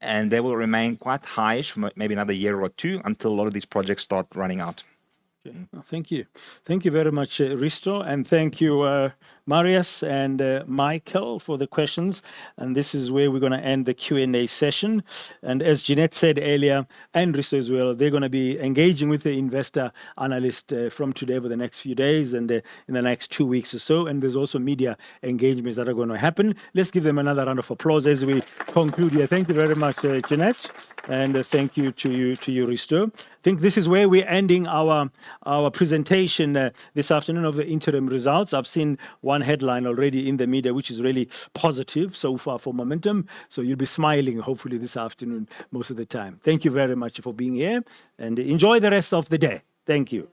and they will remain quite high for maybe another year or two until a lot of these projects start running out. Okay. Thank you. Thank you very much, Risto. Thank you, Marius and Michael, for the questions. This is where we're going to end the Q&A session. As Jeanette said earlier, and Risto as well, they're going to be engaging with the investor analyst from today over the next few days and in the next two weeks or so. There's also media engagements that are going to happen. Let's give them another round of applause as we conclude here. Thank you very much, Jeanette. Thank you to you, to you, Risto. I think this is where we're ending our our presentation this afternoon of the interim results. I've seen one headline already in the media, which is really positive so far for Momentum. So you'll be smiling, hopefully, this afternoon most of the time. Thank you very much for being here and enjoy the rest of the day. Thank you.